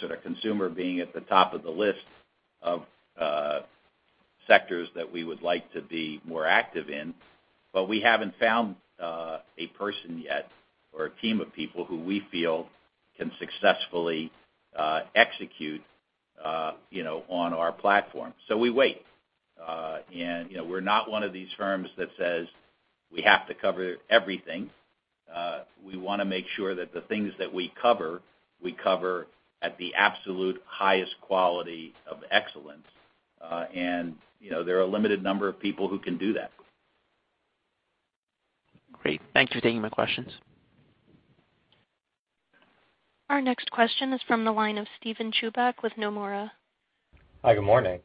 sort of consumer being at the top of the list of sectors that we would like to be more active in. We haven't found a person yet, or a team of people who we feel can successfully execute on our platform. We wait. We're not one of these firms that says we have to cover everything. We want to make sure that the things that we cover, we cover at the absolute highest quality of excellence. There are a limited number of people who can do that. Great. Thank you for taking my questions. Our next question is from the line of Steven Chubak with Nomura. Hi, good morning.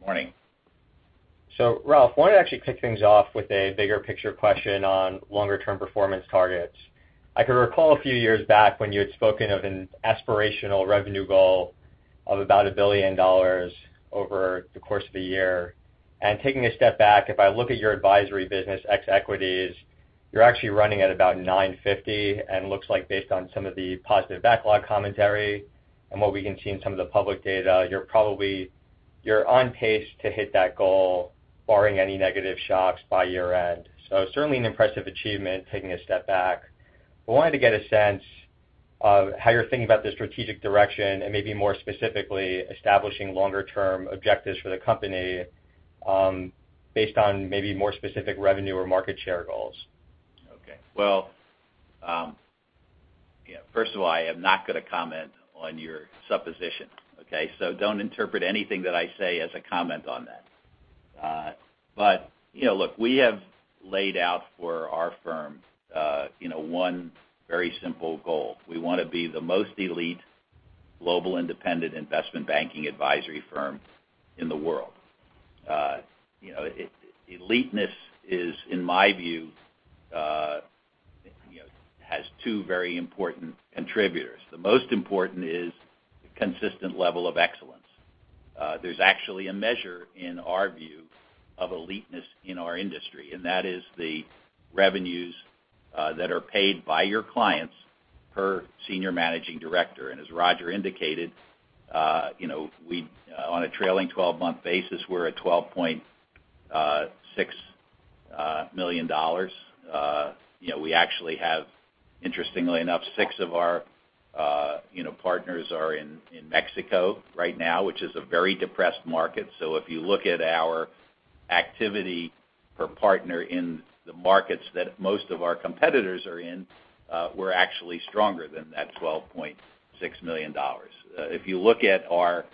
Morning. Ralph, wanted to actually kick things off with a bigger picture question on longer-term performance targets. I can recall a few years back when you had spoken of an aspirational revenue goal of about $1 billion over the course of a year. Taking a step back, if I look at your advisory business ex equities, you're actually running at about $950 million, and looks like based on some of the positive backlog commentary and what we can see in some of the public data, you're on pace to hit that goal barring any negative shocks by year-end. Certainly an impressive achievement taking a step back. Wanted to get a sense of how you're thinking about the strategic direction and maybe more specifically, establishing longer-term objectives for the company based on maybe more specific revenue or market share goals. Well, first of all, I am not going to comment on your supposition, okay? Don't interpret anything that I say as a comment on that. Look, we have laid out for our firm one very simple goal. We want to be the most elite global independent investment banking advisory firm in the world. Eliteness is, in my view, has two very important contributors. The most important is consistent level of excellence. There's actually a measure in our view of eliteness in our industry, and that is the revenues that are paid by your clients per Senior Managing Director. As Roger indicated, on a trailing 12-month basis, we're at $12.6 million. We actually have, interestingly enough, six of our partners are in Mexico right now, which is a very depressed market. If you look at our activity per partner in the markets that most of our competitors are in, we're actually stronger than that $12.6 million. If you look at our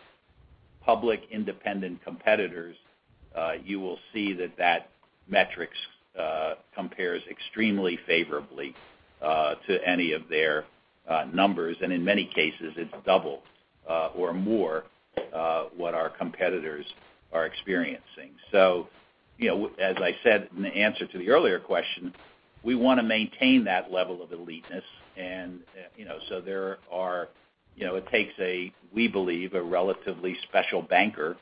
public independent competitors, you will see that that metrics compares extremely favorably to any of their numbers, and in many cases, it's double or more what our competitors are experiencing. As I said in the answer to the earlier question, we want to maintain that level of eliteness. It takes, we believe, a relatively special banker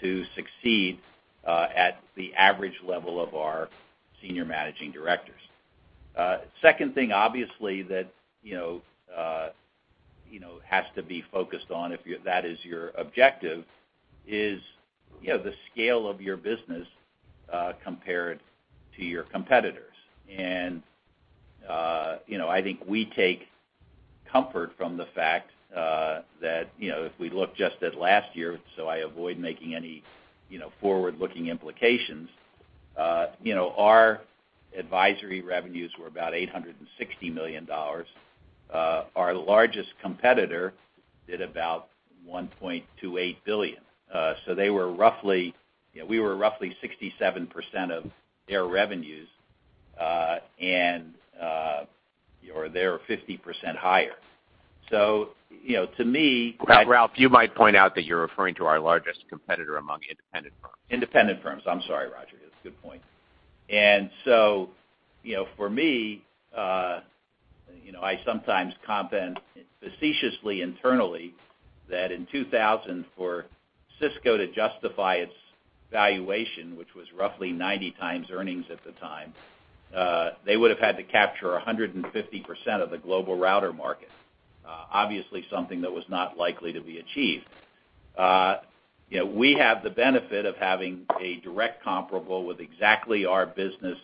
to succeed at the average level of our Senior Managing Directors. Second thing, obviously, that has to be focused on, if that is your objective, is the scale of your business compared to your competitors. I think we take comfort from the fact that if we look just at last year, I avoid making any forward-looking implications, our advisory revenues were about $860 million. Our largest competitor did about $1.28 billion. We were roughly 67% of their revenues, and they are 50% higher. To me- Ralph, you might point out that you're referring to our largest competitor among independent firms Independent firms. I'm sorry, Roger, that's a good point. For me, I sometimes comment facetiously internally that in 2000, for Cisco to justify its valuation, which was roughly 90 times earnings at the time, they would've had to capture 150% of the global router market. Obviously, something that was not likely to be achieved. We have the benefit of having a direct comparable with exactly our business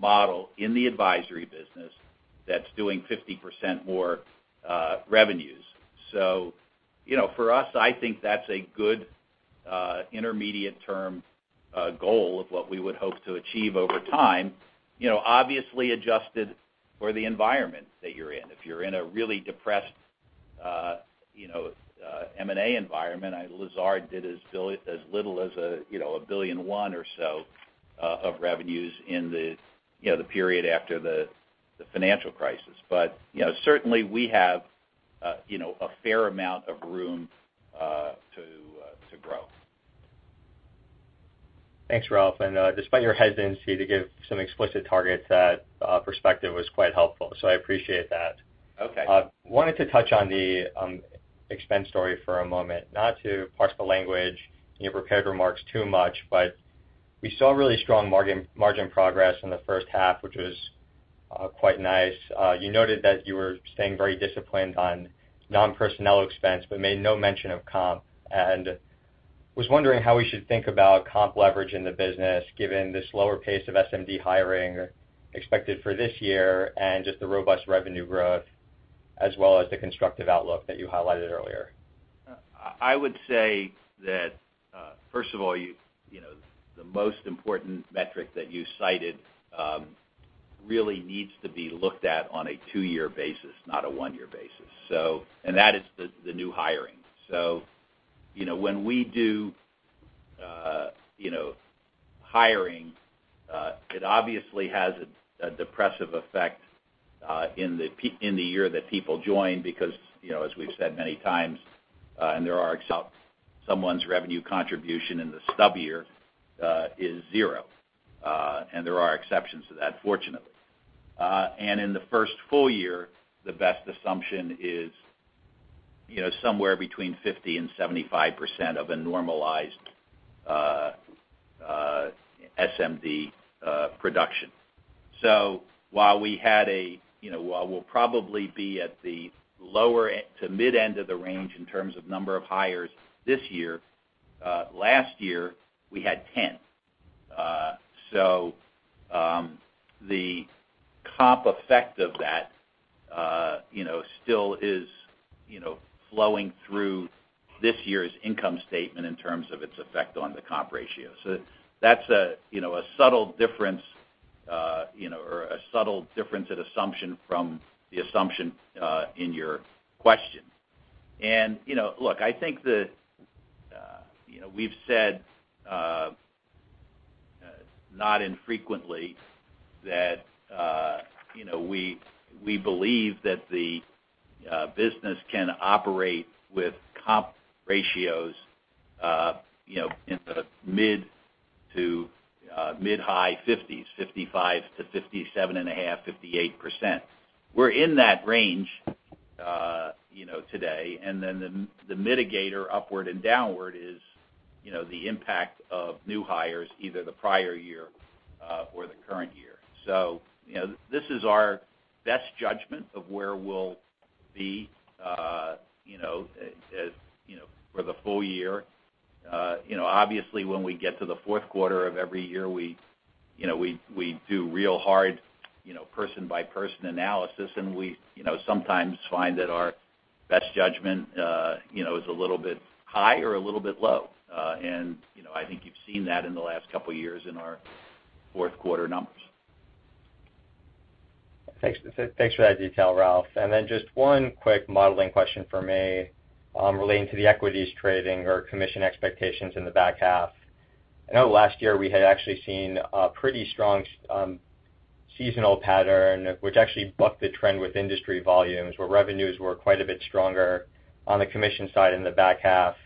model in the advisory business that's doing 50% more revenues. For us, I think that's a good intermediate term goal of what we would hope to achieve over time, obviously adjusted for the environment that you're in. If you're in a really depressed M&A environment, Lazard did as little as a billion one or so of revenues in the period after the financial crisis. Certainly we have a fair amount of room to grow. Thanks, Ralph, despite your hesitancy to give some explicit targets, that perspective was quite helpful, I appreciate that. Okay. I wanted to touch on the expense story for a moment, not to parse the language in your prepared remarks too much, but we saw really strong margin progress in the first half, which was quite nice. You noted that you were staying very disciplined on non-personnel expense but made no mention of comp. Was wondering how we should think about comp leverage in the business, given the slower pace of SMD hiring expected for this year and just the robust revenue growth as well as the constructive outlook that you highlighted earlier. I would say that, first of all, the most important metric that you cited really needs to be looked at on a two-year basis, not a one-year basis. That is the new hiring. When we do hiring, it obviously has a depressive effect in the year that people join because, as we've said many times, there are some-- someone's revenue contribution in the stub year is zero, and there are exceptions to that, fortunately. In the first full year, the best assumption is somewhere between 50% and 75% of a normalized SMD production. While we'll probably be at the lower to mid end of the range in terms of number of hires this year, last year we had 10. The comp effect of that still is flowing through this year's income statement in terms of its effect on the comp ratio. That's a subtle difference in assumption from the assumption in your question. Look, I think that we've said, not infrequently, that we believe that the business can operate with comp ratios in the mid to mid-high 50s, 55%-57.5%, 58%. We're in that range today, the mitigator upward and downward is the impact of new hires either the prior year or the current year. This is our best judgment of where we'll be for the full year. Obviously, when we get to the fourth quarter of every year, we do real hard person-by-person analysis. We sometimes find that our best judgment is a little bit high or a little bit low. I think you've seen that in the last couple of years in our fourth quarter numbers. Thanks for that detail, Ralph. Just one quick modeling question for me relating to the equities trading or commission expectations in the back half. I know last year we had actually seen a pretty strong seasonal pattern, which actually bucked the trend with industry volumes, where revenues were quite a bit stronger on the commission side in the back half.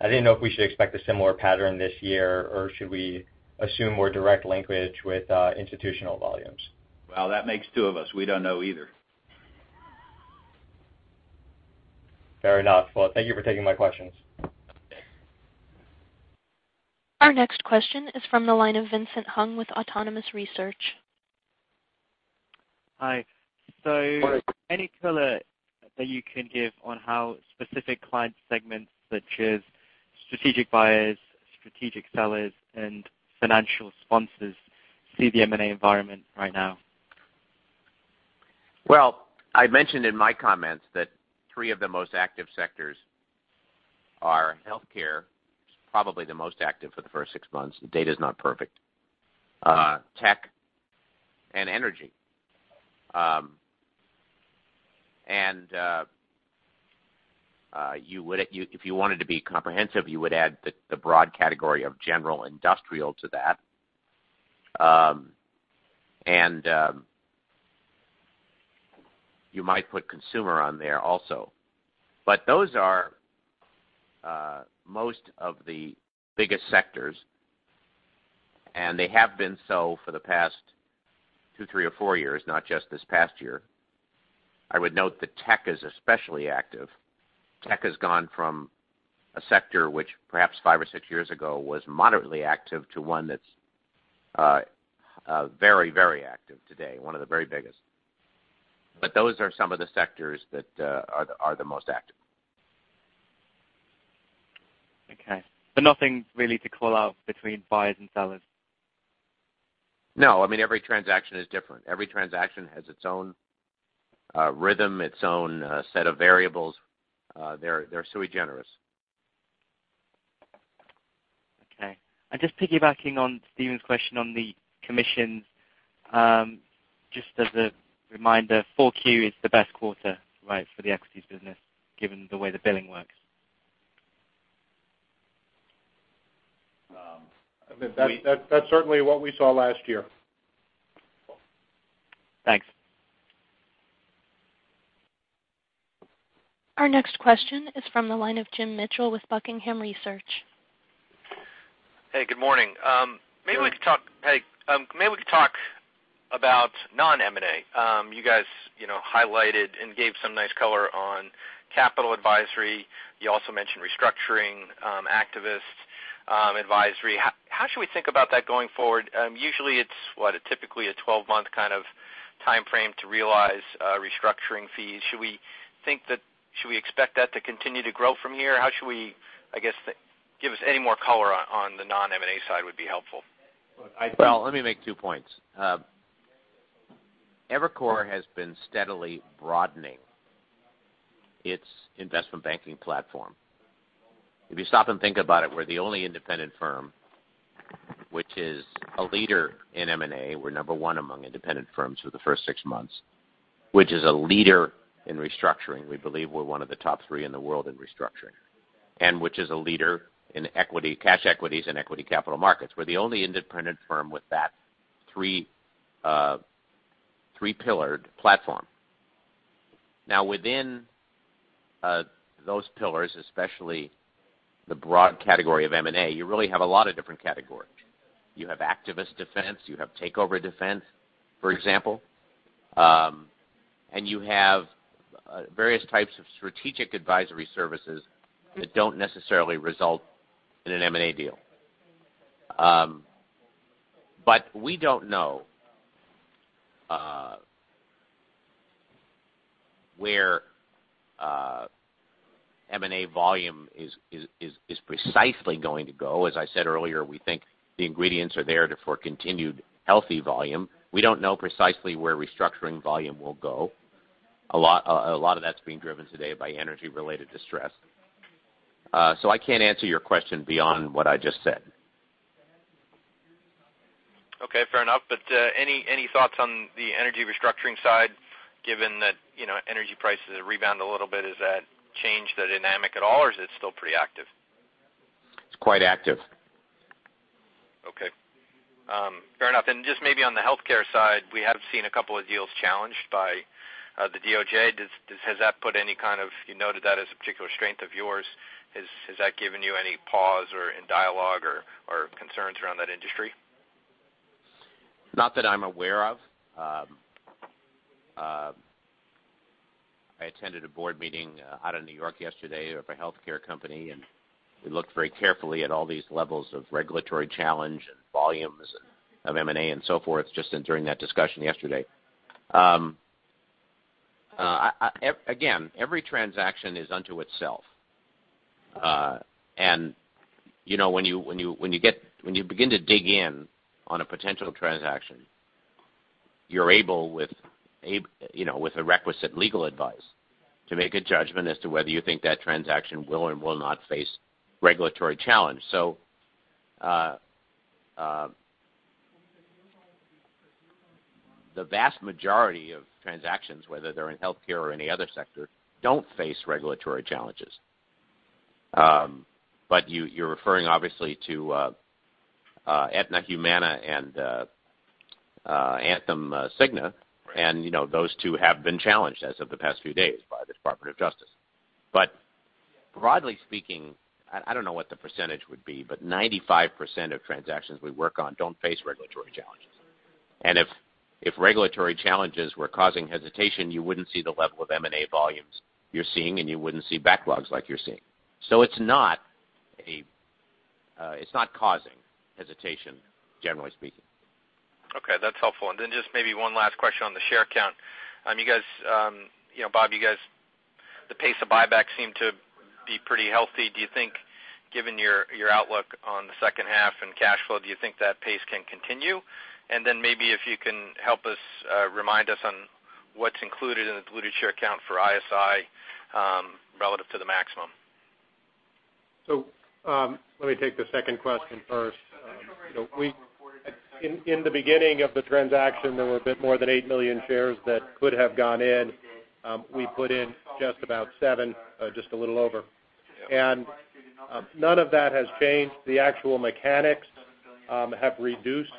I didn't know if we should expect a similar pattern this year or should we assume more direct linkage with institutional volumes? Well, that makes two of us. We don't know either. Fair enough. Well, thank you for taking my questions. Our next question is from the line of Vincent Hung with Autonomous Research. Hi. Morning. Any color that you can give on how specific client segments such as strategic buyers, strategic sellers, and financial sponsors see the M&A environment right now? Well, I mentioned in my comments that three of the most active sectors are healthcare, which is probably the most active for the first six months. The data's not perfect. Tech and energy. If you wanted to be comprehensive, you would add the broad category of general industrial to that. You might put consumer on there also. Those are most of the biggest sectors, and they have been so for the past two, three, or four years, not just this past year. I would note that tech is especially active. Tech has gone from a sector which perhaps five or six years ago was moderately active to one that's very active today, one of the very biggest. Those are some of the sectors that are the most active. Okay. Nothing really to call out between buyers and sellers? No, every transaction is different. Every transaction has its own rhythm, its own set of variables. They're sui generis. Okay. Just piggybacking on Steven's question on the commissions, just as a reminder, 4Q is the best quarter, right, for the equities business, given the way the billing works. We- That's certainly what we saw last year. Thanks. Our next question is from the line of Jim Mitchell with Buckingham Research. Hey, good morning. Good morning. Hey. Maybe we could talk about non-M&A. You guys highlighted and gave some nice color on capital advisory. You also mentioned restructuring, activist advisory. How should we think about that going forward? Usually it's, what, typically a 12-month kind of timeframe to realize restructuring fees. Should we expect that to continue to grow from here? I guess, give us any more color on the non-M&A side would be helpful. Well, let me make two points. Evercore has been steadily broadening its investment banking platform. If you stop and think about it, we're the only independent firm, which is a leader in M&A. We're number one among independent firms for the first six months, which is a leader in restructuring. We believe we're one of the top three in the world in restructuring, and which is a leader in cash equities and equity capital markets. We're the only independent firm with that three-pillared platform. Now, within those pillars, especially the broad category of M&A, you really have a lot of different categories. You have activist defense, you have takeover defense, for example, and you have various types of strategic advisory services that don't necessarily result in an M&A deal. We don't know where M&A volume is precisely going to go. As I said earlier, we think the ingredients are there for continued healthy volume. We don't know precisely where restructuring volume will go. A lot of that's being driven today by energy-related distress. I can't answer your question beyond what I just said. Okay, fair enough. Any thoughts on the energy restructuring side given that energy prices have rebound a little bit? Has that changed the dynamic at all, or is it still pretty active? It's quite active. Fair enough. Just maybe on the healthcare side, we have seen a couple of deals challenged by the DOJ. You noted that as a particular strength of yours. Has that given you any pause or in dialogue or concerns around that industry? Not that I'm aware of. I attended a board meeting out in New York yesterday of a healthcare company, we looked very carefully at all these levels of regulatory challenge and volumes of M&A and so forth, just during that discussion yesterday. Again, every transaction is unto itself. When you begin to dig in on a potential transaction, you're able, with the requisite legal advice, to make a judgment as to whether you think that transaction will or will not face regulatory challenge. The vast majority of transactions, whether they're in healthcare or any other sector, don't face regulatory challenges. You're referring, obviously, to Aetna-Humana and Anthem-Cigna. Right. Those two have been challenged as of the past few days by the Department of Justice. Broadly speaking, I don't know what the percentage would be, but 95% of transactions we work on don't face regulatory challenges. If regulatory challenges were causing hesitation, you wouldn't see the level of M&A volumes you're seeing, and you wouldn't see backlogs like you're seeing. It's not causing hesitation, generally speaking. Okay, that's helpful. Just maybe one last question on the share count. Bob, the pace of buybacks seem to be pretty healthy. Do you think, given your outlook on the second half and cash flow, do you think that pace can continue? Then maybe if you can help us, remind us on what's included in the diluted share count for ISI relative to the maximum. Let me take the second question first. In the beginning of the transaction, there were a bit more than eight million shares that could have gone in. We put in just about seven, just a little over. None of that has changed. The actual mechanics have reduced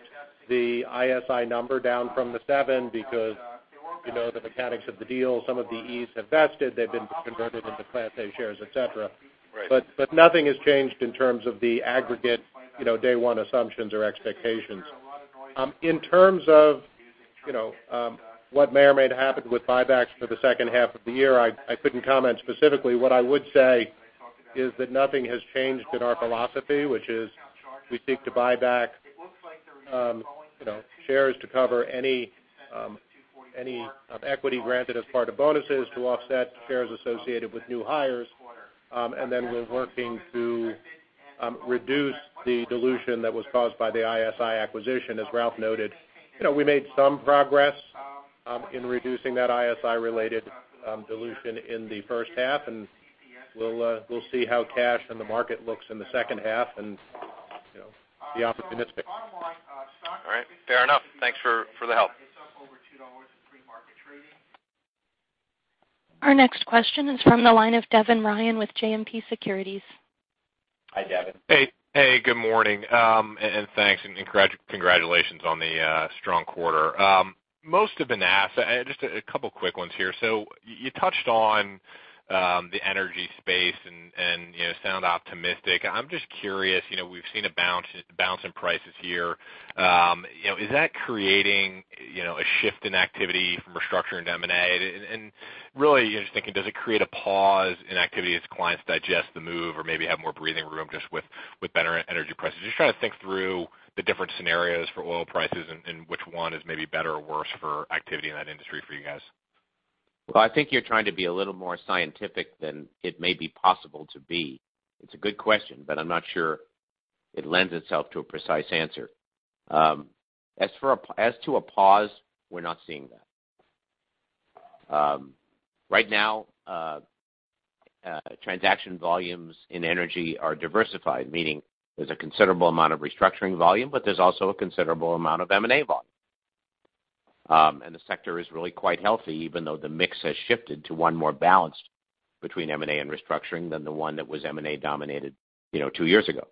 the ISI number down from the seven because the mechanics of the deal, some of the Es have vested, they've been converted into class A shares, et cetera. Right. Nothing has changed in terms of the aggregate day one assumptions or expectations. In terms of what may or may happen with buybacks for the second half of the year, I couldn't comment specifically. What I would say is that nothing has changed in our philosophy, which is we seek to buy back shares to cover any equity granted as part of bonuses to offset shares associated with new hires. We're working to reduce the dilution that was caused by the ISI acquisition. As Ralph noted, we made some progress in reducing that ISI-related dilution in the first half, and we'll see how cash and the market looks in the second half. All right. Fair enough. Thanks for the help. It's up over $2 in pre-market trading. Our next question is from the line of Devin Ryan with JMP Securities. Hi, Devin. Hey. Good morning and thanks, and congratulations on the strong quarter. Most have been asked, just a couple of quick ones here. You touched on the energy space and sound optimistic. I'm just curious, we've seen a bounce in prices here. Is that creating a shift in activity from restructuring to M&A? Really just thinking, does it create a pause in activity as clients digest the move or maybe have more breathing room just with better energy prices? Just trying to think through the different scenarios for oil prices and which one is maybe better or worse for activity in that industry for you guys. Well, I think you're trying to be a little more scientific than it may be possible to be. It's a good question, but I'm not sure it lends itself to a precise answer. As to a pause, we're not seeing that. Right now, transaction volumes in energy are diversified, meaning there's a considerable amount of restructuring volume, but there's also a considerable amount of M&A volume. The sector is really quite healthy, even though the mix has shifted to one more balanced between M&A and restructuring than the one that was M&A-dominated two years ago.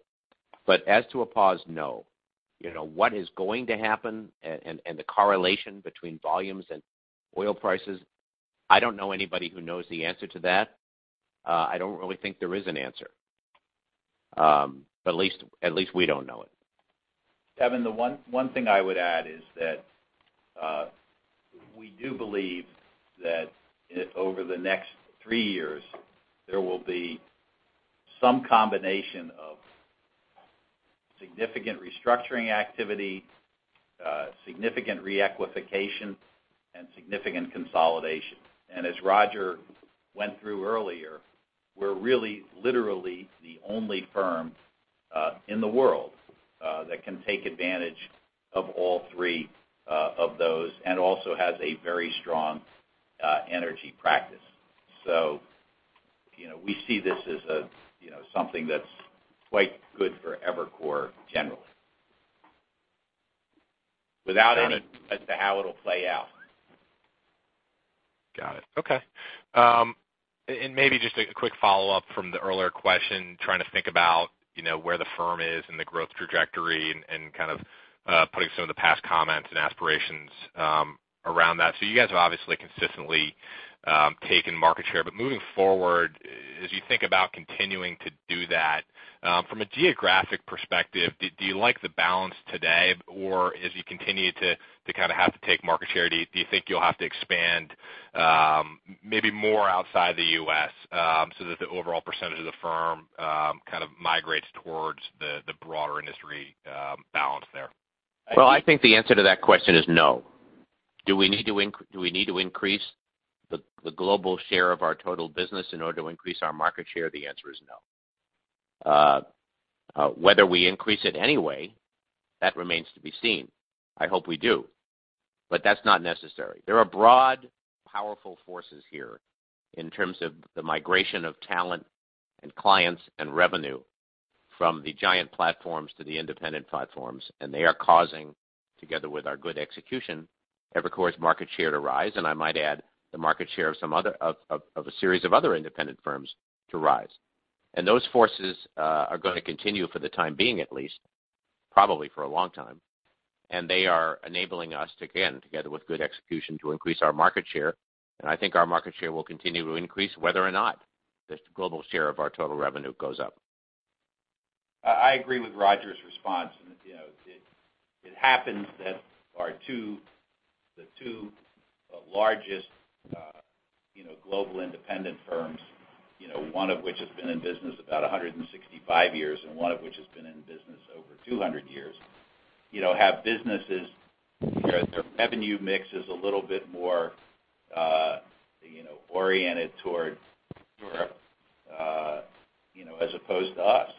As to a pause, no. What is going to happen and the correlation between volumes and oil prices, I don't know anybody who knows the answer to that. I don't really think there is an answer. At least we don't know it. Devin, the one thing I would add is that we do believe that over the next three years, there will be some combination of significant restructuring activity, significant re-equification, and significant consolidation. As Roger went through earlier, we're really literally the only firm in the world that can take advantage of all three of those and also has a very strong energy practice. We see this as something that's quite good for Evercore generally. Without any as to how it'll play out. Got it. Okay. Maybe just a quick follow-up from the earlier question, trying to think about where the firm is and the growth trajectory and kind of putting some of the past comments and aspirations around that. You guys have obviously consistently taken market share. Moving forward, as you think about continuing to do that from a geographic perspective, do you like the balance today? As you continue to kind of have to take market share, do you think you'll have to expand maybe more outside the U.S. so that the overall percentage of the firm kind of migrates towards the broader industry balance there? Well, I think the answer to that question is no. Do we need to increase the global share of our total business in order to increase our market share? The answer is no. Whether we increase it anyway, that remains to be seen. I hope we do, but that's not necessary. There are broad, powerful forces here in terms of the migration of talent and clients and revenue from the giant platforms to the independent platforms, and they are causing, together with our good execution, Evercore's market share to rise, and I might add, the market share of a series of other independent firms to rise. Those forces are going to continue for the time being at least, probably for a long time. They are enabling us to, again, together with good execution, to increase our market share. I think our market share will continue to increase whether or not this global share of our total revenue goes up. I agree with Roger's response. It happens that the two largest global independent firms, one of which has been in business about 165 years and one of which has been in business over 200 years, have businesses where their revenue mix is a little bit more oriented toward Europe as opposed to us.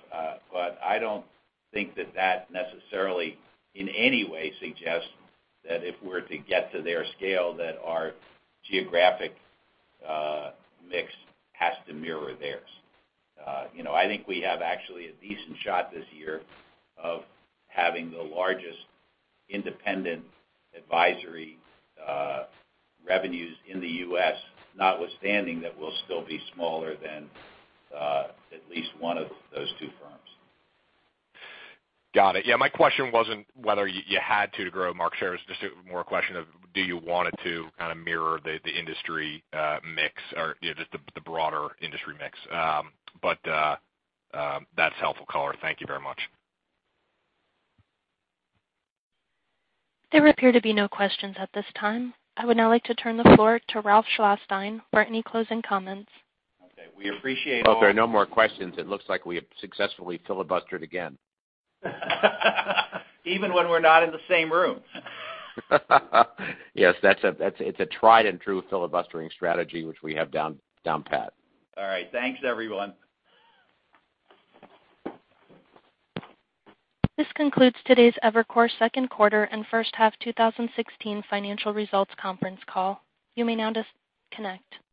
I don't think that that necessarily, in any way, suggests that if we're to get to their scale, that our geographic mix has to mirror theirs. I think we have actually a decent shot this year of having the largest independent advisory revenues in the U.S., notwithstanding that we'll still be smaller than at least one of those two firms. Got it. Yeah, my question wasn't whether you had to grow market shares. Just more a question of do you want it to kind of mirror the industry mix or just the broader industry mix. That's helpful color. Thank you very much. There appear to be no questions at this time. I would now like to turn the floor to Ralph Schlosstein for any closing comments. Okay. We appreciate all. Well, if there are no more questions, it looks like we have successfully filibustered again. Even when we're not in the same room. Yes, it's a tried and true filibustering strategy, which we have down pat. All right. Thanks, everyone. This concludes today's Evercore second quarter and first half 2016 financial results conference call. You may now disconnect.